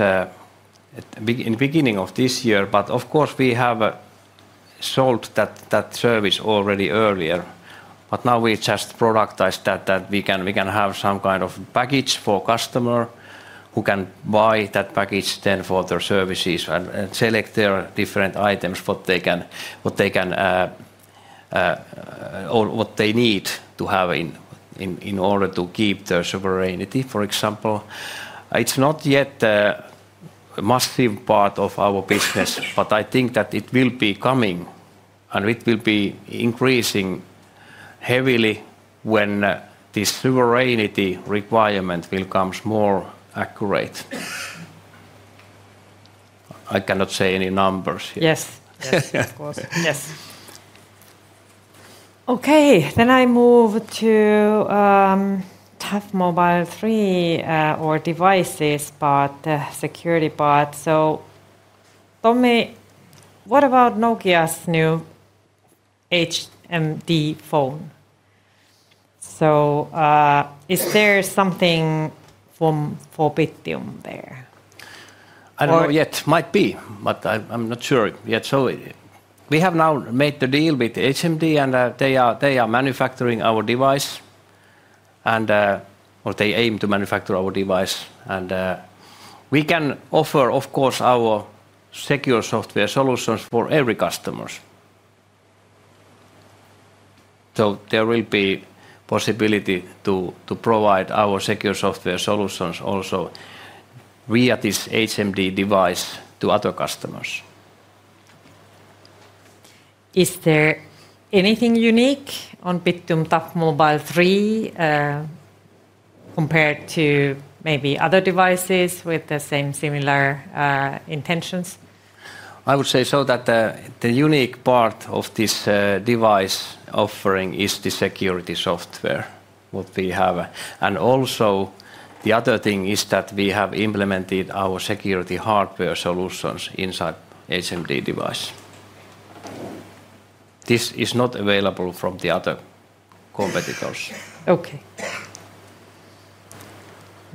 in the beginning of this year, but of course we have sold that service already earlier. Now we just productized that, and we can have some kind of package for customers who can buy that package for their services and select their different items, what they can, what they need to have in order to keep their sovereignty. For example, it's not yet a massive part of our business, but I think that it will be coming and it will be increasing heavily when this sovereignty requirement becomes more accurate. I cannot say any numbers here. Yes, yes, of course. Yes. Okay, I move to Tough Mobile 3 or devices part, security part. Tommi, what about Nokia's new HMD phone? Is there something for Bittium there? I don't know yet. It might be, but I'm not sure yet. We have now made the deal with HMD and they are manufacturing our device, or they aim to manufacture our device. We can offer, of course, our secure software solutions for every customer. There will be a possibility to provide our secure software solutions also via this HMD device to other customers. Is there anything unique on Bittium Tough Mobile 3 compared to maybe other devices with the same similar intentions? I would say so that the unique part of this device offering is the security software we have. Also, the other thing is that we have implemented our security hardware solutions inside the HMD device. This is not available from the other competitors. Okay.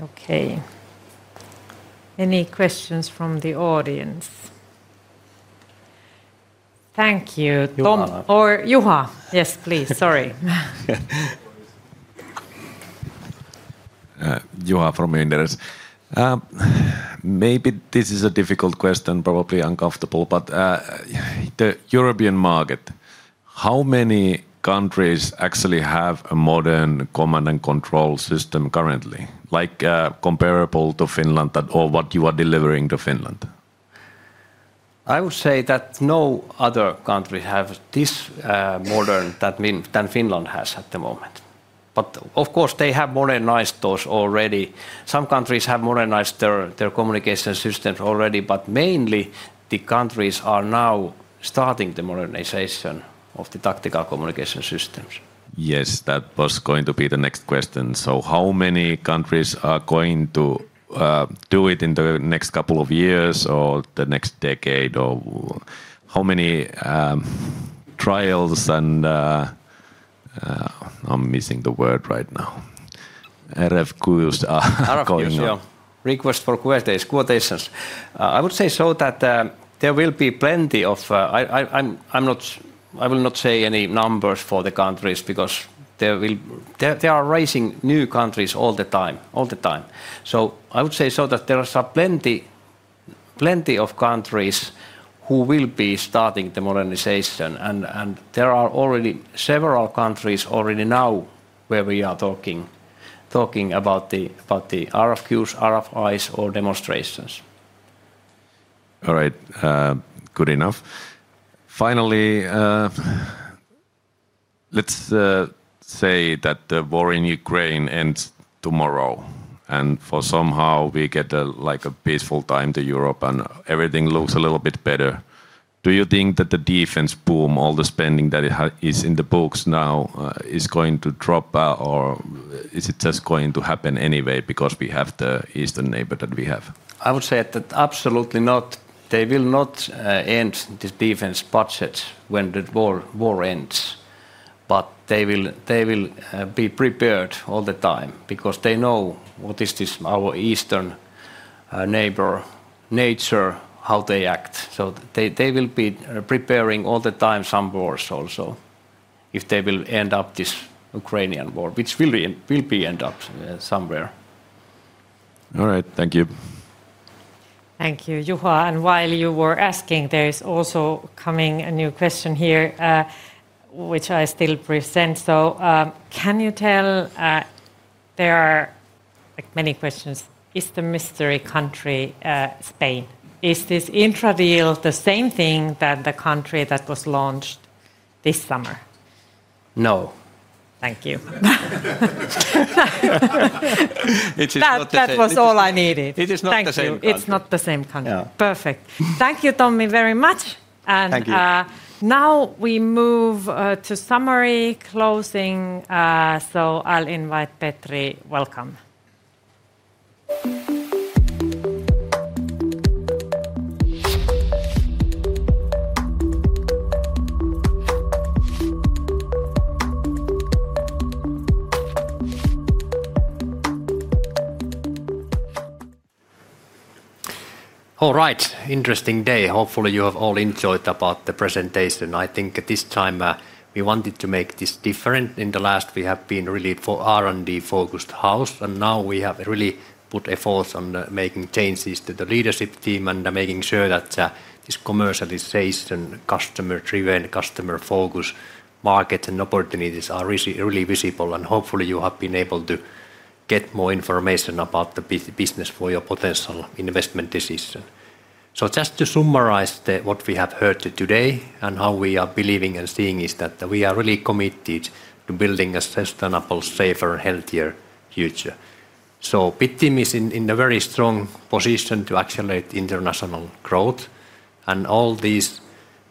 Okay. Any questions from the audience? Thank you. Tommi or Juha, yes please, sorry. Juha, from Inderes. Maybe this is a difficult question, probably uncomfortable, but the European market, how many countries actually have a modern command and control system currently, like comparable to Finland, or what you are delivering to Finland? I would say that no other country has this modern than Finland has at the moment. Of course, they have modernized those already. Some countries have modernized their communication systems already, but mainly the countries are now starting the modernization of the tactical communication systems. Yes, that was going to be the next question. How many countries are going to do it in the next couple of years or the next decade? How many trials, and I'm missing the word right now. Requests for quotations. I would say that there will be plenty of, I will not say any numbers for the countries because they are raising new countries all the time, all the time. I would say that there are plenty of countries who will be starting the modernization and there are already several countries already now where we are talking about the RFQs, RFIs, or demonstrations. All right, good enough. Finally, let's say that the war in Ukraine ends tomorrow and for some reason we get a peaceful time to Europe and everything looks a little bit better. Do you think that the defense boom, all the spending that is in the books now, is going to drop or is it just going to happen anyway because we have the Eastern neighbor that we have? I would say that absolutely not. They will not end the defense budgets when the war ends. They will be prepared all the time because they know what is this, our eastern neighbor, nature, how they act. They will be preparing all the time some wars also if they will end up this Ukrainian war, which will be end up somewhere. All right, thank you. Thank you, Juha. While you were asking, there is also a new question here, which I still present. Can you tell, there are many questions, is the mystery country Spain? Is this Indra deal the same thing as the country that was launched this summer? No. Thank you. It is not the same. That was all I needed. It is not the same country. It's not the same country. Perfect. Thank you, Tommi, very much. Thank you. Now we move to summary, closing. I'll invite Petri. Welcome. All right, interesting day. Hopefully, you have all enjoyed about the presentation. I think this time we wanted to make this different. In the last, we have been really for R&D focused house, and now we have really put a force on making changes to the leadership team and making sure that this commercialization, customer-driven, customer-focused markets and opportunities are really visible. Hopefully, you have been able to get more information about the business for your potential investment decision. Just to summarize what we have heard today and how we are believing and seeing is that we are really committed to building a sustainable, safer, healthier future. Bittium is in a very strong position to accelerate international growth. All these,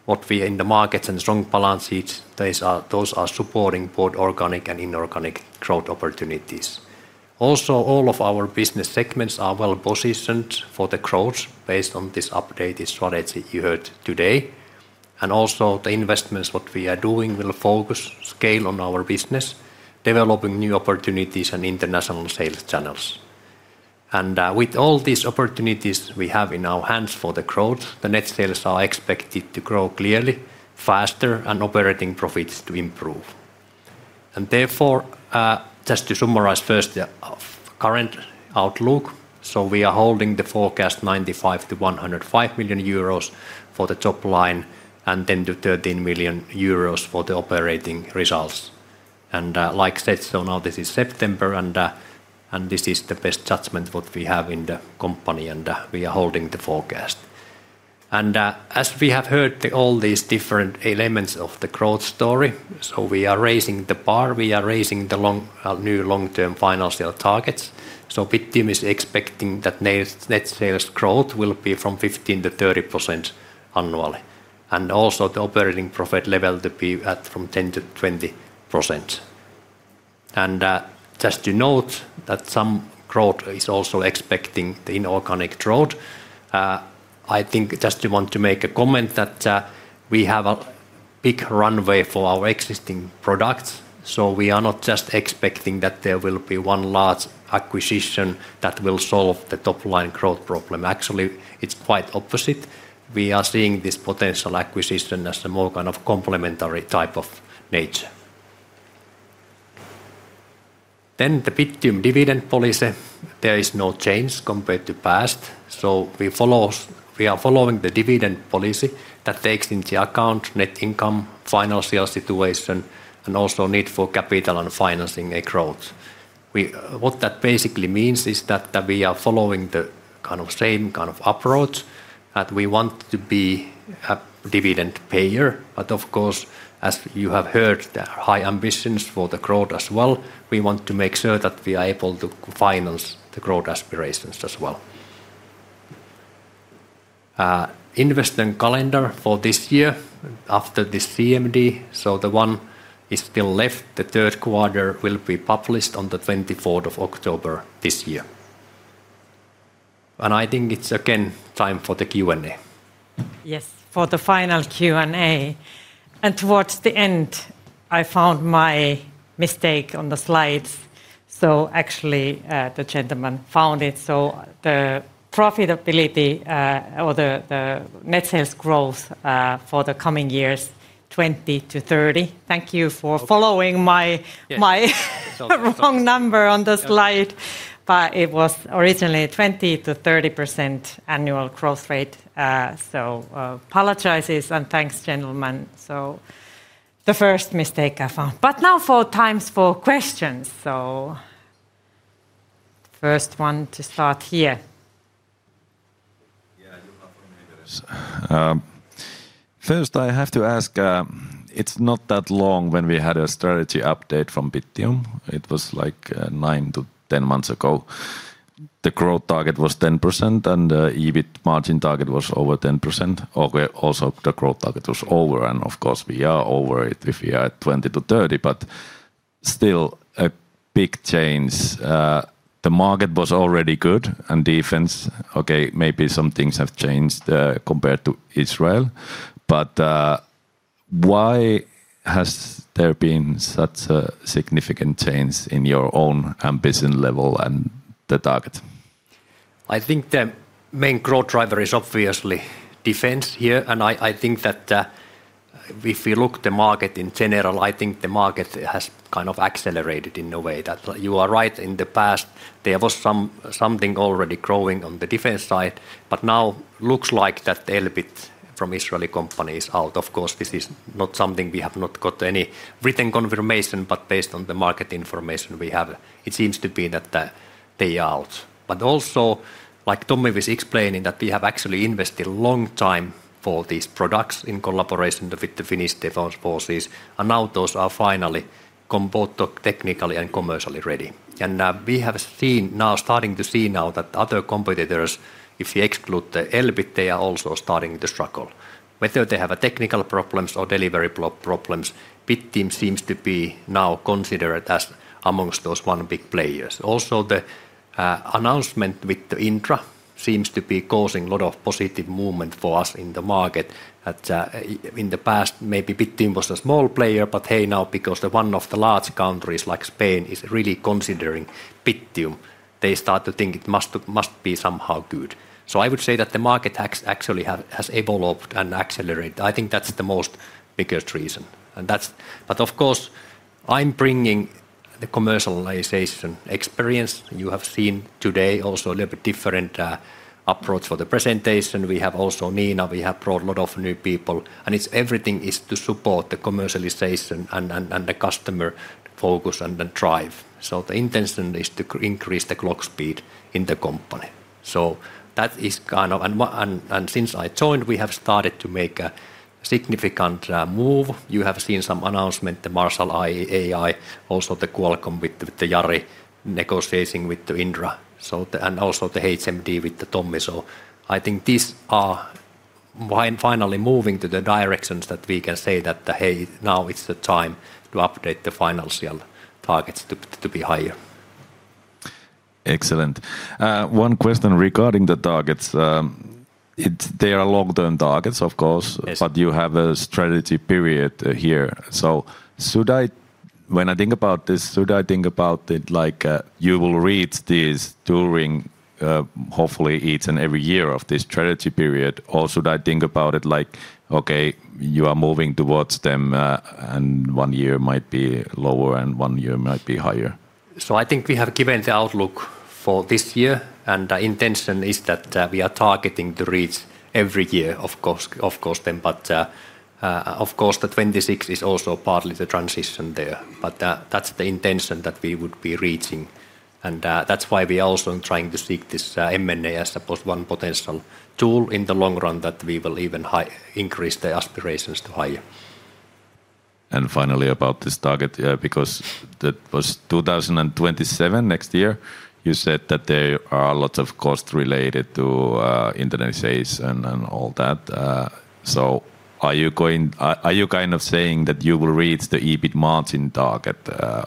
what we are in the markets and strong balance sheets, those are supporting both organic and inorganic growth opportunities. Also, all of our business segments are well positioned for the growth based on this updated strategy you heard today. Also, the investments, what we are doing will focus scale on our business, developing new opportunities and international sales channels. With all these opportunities we have in our hands for the growth, the net sales are expected to grow clearly, faster, and operating profits to improve. Therefore, just to summarize first the current outlook, we are holding the forecast 95-105 million euros for the top line and then to 13 million euros for the operating results. Like I said, now this is September and this is the best judgment what we have in the company and we are holding the forecast. As we have heard all these different elements of the growth story, we are raising the bar, we are raising the new long-term financial targets. Bittium is expecting that net sales growth will be from 15%-30% annually. Also, the operating profit level to be at from 10%-20%. Just to note that some growth is also expecting the inorganic growth. I think just you want to make a comment that we have a big runway for our existing products. We are not just expecting that there will be one large acquisition that will solve the top line growth problem. Actually, it's quite opposite. We are seeing this potential acquisition as a more kind of complementary type of nature. The Bittium dividend policy, there is no change compared to past. We are following the dividend policy that takes into account net income, financial situation, and also need for capital and financing growth. What that basically means is that we are following the same kind of approach that we want to be a dividend payer. Of course, as you have heard, the high ambitions for the growth as well, we want to make sure that we are able to finance the growth aspirations as well. Investment calendar for this year after this CMD, the one is still left, the third quarter will be published on the 24th of October this year. I think it's again time for the Q&A. Yes, for the final Q&A. Towards the end, I found my mistake on the slides. Actually, the gentleman found it. The profitability or the net sales growth for the coming years, 20%-30%. Thank you for following my wrong number on the slide. It was originally 20%-30% annual growth rate. Apologizes and thanks, gentlemen. The first mistake I found. Now for times for questions. First one to start here. First, I have to ask, it's not that long when we had a strategy update from Bittium. It was like nine to ten months ago. The growth target was 10% and the EBIT margin target was over 10%. Also, the growth target was over and of course, we are over it if we are at 20%-30%. Still, a big change. The market was already good and defense, okay, maybe some things have changed compared to Israel. Why has there been such a significant change in your own ambition level and the target? I think the main growth driver is obviously defense here. I think that if we look at the market in general, the market has kind of accelerated in a way that you are right. In the past, there was something already growing on the defense side, but now it looks like that the Elbit from Israeli companies is out. Of course, this is not something we have got any written confirmation, but based on the market information we have, it seems to be that they are out. Also, like Tommi was explaining, we have actually invested a long time for these products in collaboration with the Finnish Defence Forces. Now those are finally compared to technically and commercially ready. We have seen now, starting to see now, that other competitors, if you exclude the Elbit, they are also starting to struggle. Whether they have technical problems or delivery problems, Bittium seems to be now considered as amongst those one big players. Also, the announcement with Indra seems to be causing a lot of positive movement for us in the market. In the past, maybe Bittium was a small player, but now because one of the large countries like Spain is really considering Bittium, they start to think it must be somehow good. I would say that the market actually has evolved and accelerated. I think that's the most biggest reason. I'm bringing the commercialization experience you have seen today, also a little bit different approach for the presentation. We have also Niina, we have brought a lot of new people, and everything is to support the commercialization and the customer focus and then drive. The intention is to increase the clock speed in the company. That is kind of, and since I joined, we have started to make a significant move. You have seen some announcements, the MarshallAI, also the Qualcomm with the Jari negotiating with the Indra, and also the HMD with the Tommi. I think these are finally moving to the directions that we can say that, hey, now it's the time to update the financial targets to be higher. Excellent. One question regarding the targets. They are long-term targets, of course, but you have a strategy period here. Should I, when I think about this, should I think about it like you will reach this during, hopefully, each and every year of this strategy period, or should I think about it like, okay, you are moving towards them and one year might be lower and one year might be higher? I think we have given the outlook for this year, and the intention is that we are targeting to reach every year, of course. The 2026 is also partly the transition there. That's the intention that we would be reaching. That's why we are also trying to seek this M&A as opposed to one potential tool in the long run that we will even increase the aspirations to hire. Finally, about this target, because that was 2027 next year, you said that there are lots of costs related to internationalization and all that. Are you kind of saying that you will reach the EBIT margin target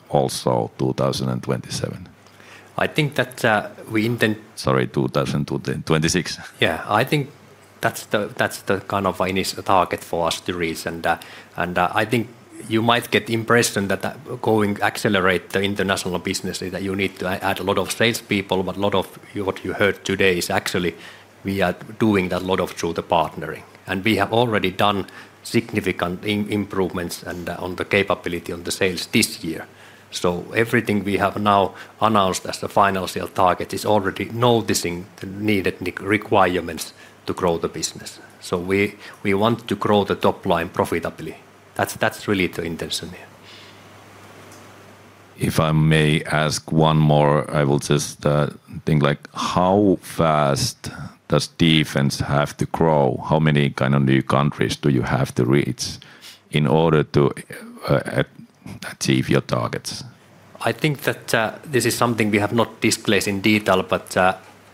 also 2027? I think that we. Sorry, 2026. Yeah, I think that's the kind of initial target for us to reach. I think you might get the impression that going to accelerate the international business is that you need to add a lot of salespeople, but a lot of what you heard today is actually we are doing a lot of through the partnering. We have already done significant improvements on the capability on the sales this year. Everything we have now announced as the financial target is already noticing the needed requirements to grow the business. We want to grow the top line profitably. That's really the intention here. If I may ask one more, I will just think like how fast does Defense have to grow? How many kind of new countries do you have to reach in order to achieve your targets? I think that this is something we have not discussed in detail, but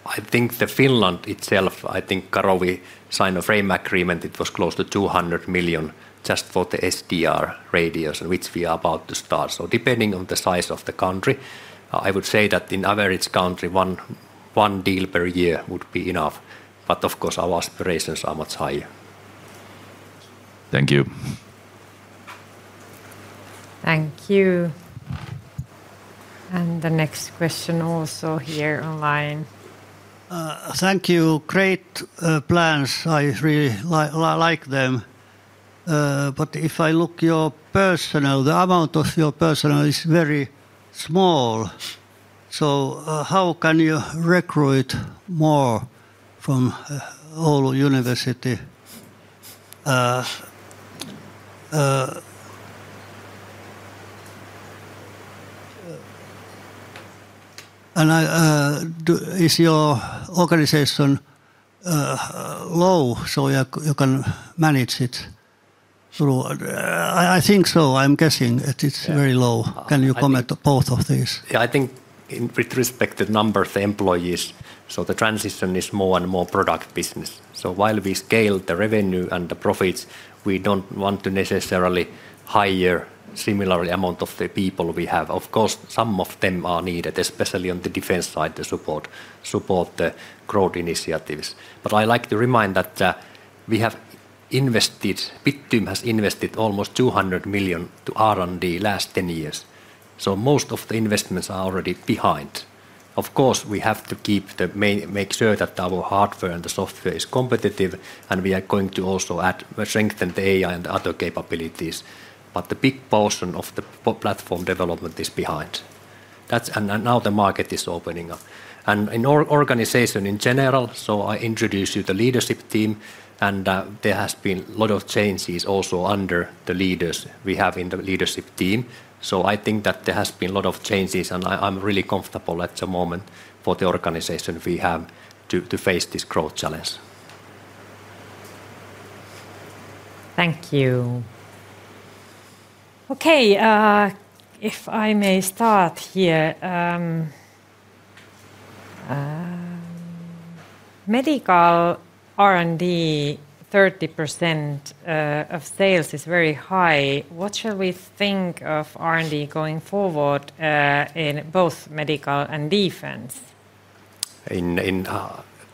I think Finland itself, I think Karoliina signed a framework agreement. It was close to 200 million just for the SDR radios, in which we are about to start. Depending on the size of the country, I would say that in an average country, one deal per year would be enough. Of course, our aspirations are much higher. Thank you. Thank you. The next question also here online. Thank you. Great plans. I really like them. If I look at your personnel, the amount of your personnel is very small. How can you recruit more from Oulu University? Is your organization low so you can manage it? I think so. I'm guessing that it's very low. Can you comment on both of these? Yeah, I think in retrospective, the number of employees, so the transition is more and more product business. While we scale the revenue and the profits, we don't want to necessarily hire a similar amount of people we have. Of course, some of them are needed, especially on the defense side, to support the growth initiatives. I like to remind that we have invested, Bittium has invested almost 200 million to R&D last 10 years. Most of the investments are already behind. Of course, we have to keep the main, make sure that our hardware and the software is competitive, and we are going to also add, we're strengthening the AI and the other capabilities. The big portion of the platform development is behind. That's, now the market is opening. In our organization in general, I introduced you to the leadership team, and there has been a lot of changes also under the leaders we have in the leadership team. I think that there has been a lot of changes, and I'm really comfortable at the moment for the organization we have to face this growth challenge. Thank you. Okay, if I may start here, medical R&D, 30% of sales is very high. What shall we think of R&D going forward in both medical and defense?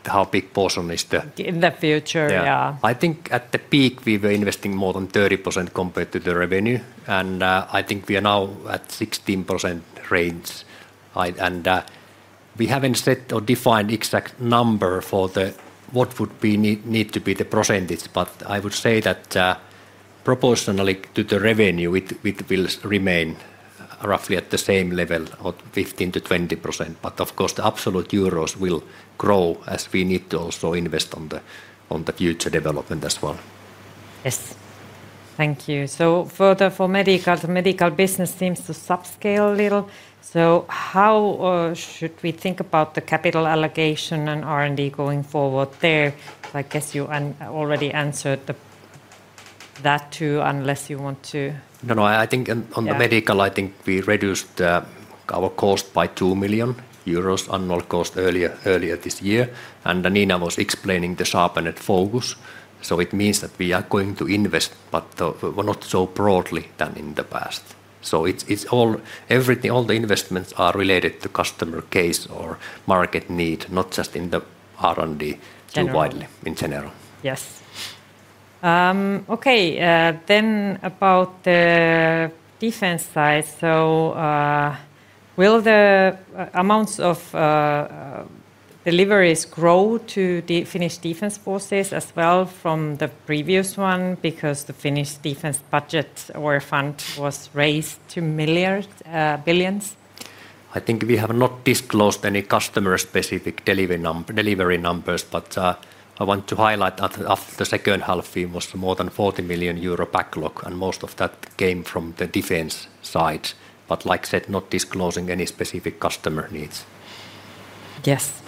How big portion is the? In the future, yeah. I think at the peak, we were investing more than 30% compared to the revenue, and I think we are now at 16% range. We haven't set or defined the exact number for what would need to be the percentage, but I would say that proportionally to the revenue, it will remain roughly at the same level of 15%-20%. Of course, the absolute euros will grow as we need to also invest on the future development as well. Yes, thank you. Further for Medical, the Medical business seems to subscale a little. How should we think about the capital allocation and R&D going forward there? I guess you already answered that too, unless you want to. I think on the Medical, I think we reduced our cost by 2 million euros annual cost earlier this year. Niina was explaining the sharpened focus. It means that we are going to invest, but not so broadly than in the past. It's all, everything, all the investments are related to customer case or market need, not just in the R&D too widely in general. Yes. Okay, about the defense side. Will the amounts of deliveries grow to the Finnish Defense Forces as well from the previous one because the Finnish Defense Budget or Fund was raised to billions? I think we have not disclosed any customer-specific delivery numbers, but I want to highlight that after the second half, we must have more than 40 million euro backlog, and most of that came from the defense side. Like I said, not disclosing any specific customer needs. Yes.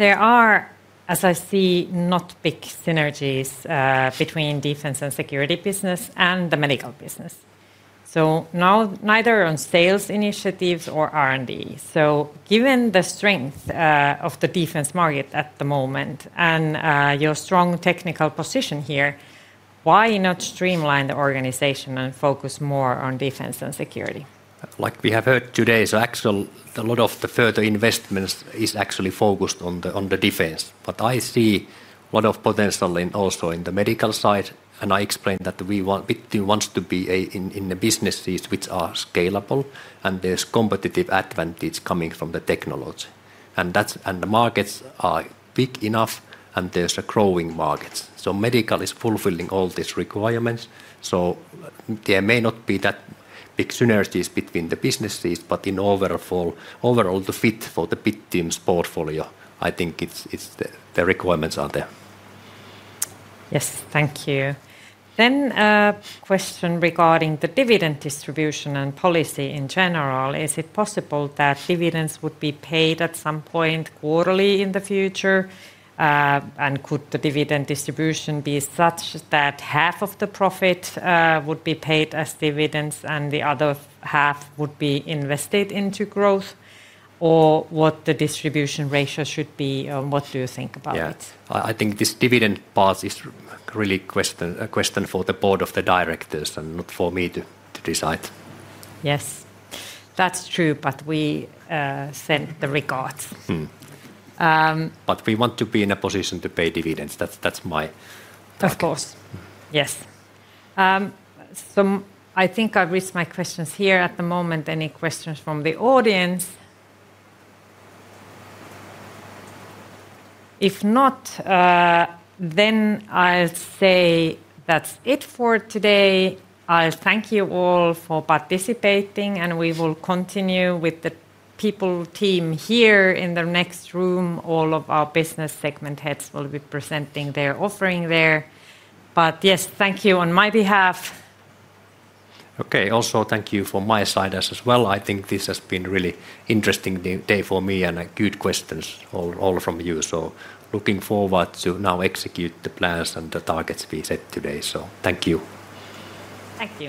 There are, as I see, not big synergies between Defense and Security business and the Medical business. Neither on sales initiatives or R&D. Given the strength of the Defense market at the moment and your strong technical position here, why not streamline the organization and focus more on Defense and Security? Like we have heard today, a lot of the further investments are actually focused on the defense. I see a lot of potential also in the medical side, and I explained that Bittium wants to be in the businesses which are scalable, and there's competitive advantage coming from the technology. The markets are big enough, and there's a growing market. Medical is fulfilling all these requirements. There may not be that big synergies between the businesses, but in overall, the fit for the Bittium's portfolio, I think the requirements are there. Yes, thank you. A question regarding the dividend distribution and policy in general. Is it possible that dividends would be paid at some point quarterly in the future? Could the dividend distribution be such that half of the profit would be paid as dividends and the other half would be invested into growth? What should the distribution ratio be? What do you think about it? I think this dividend part is really a question for the Board of the Directors and not for me to decide. Yes, that's true, but we send the regards. We want to be in a position to pay dividends. That's my. Of course. Yes. I think I've reached my questions here at the moment. Any questions from the audience? If not, I'll say that's it for today. I'll thank you all for participating, and we will continue with the people team here in the next room. All of our business segment heads will be presenting their offering there. Yes, thank you on my behalf. Okay, thank you from my side as well. I think this has been a really interesting day for me and good questions all from you. Looking forward to now executing the plans and the targets we set today. Thank you. Thank you.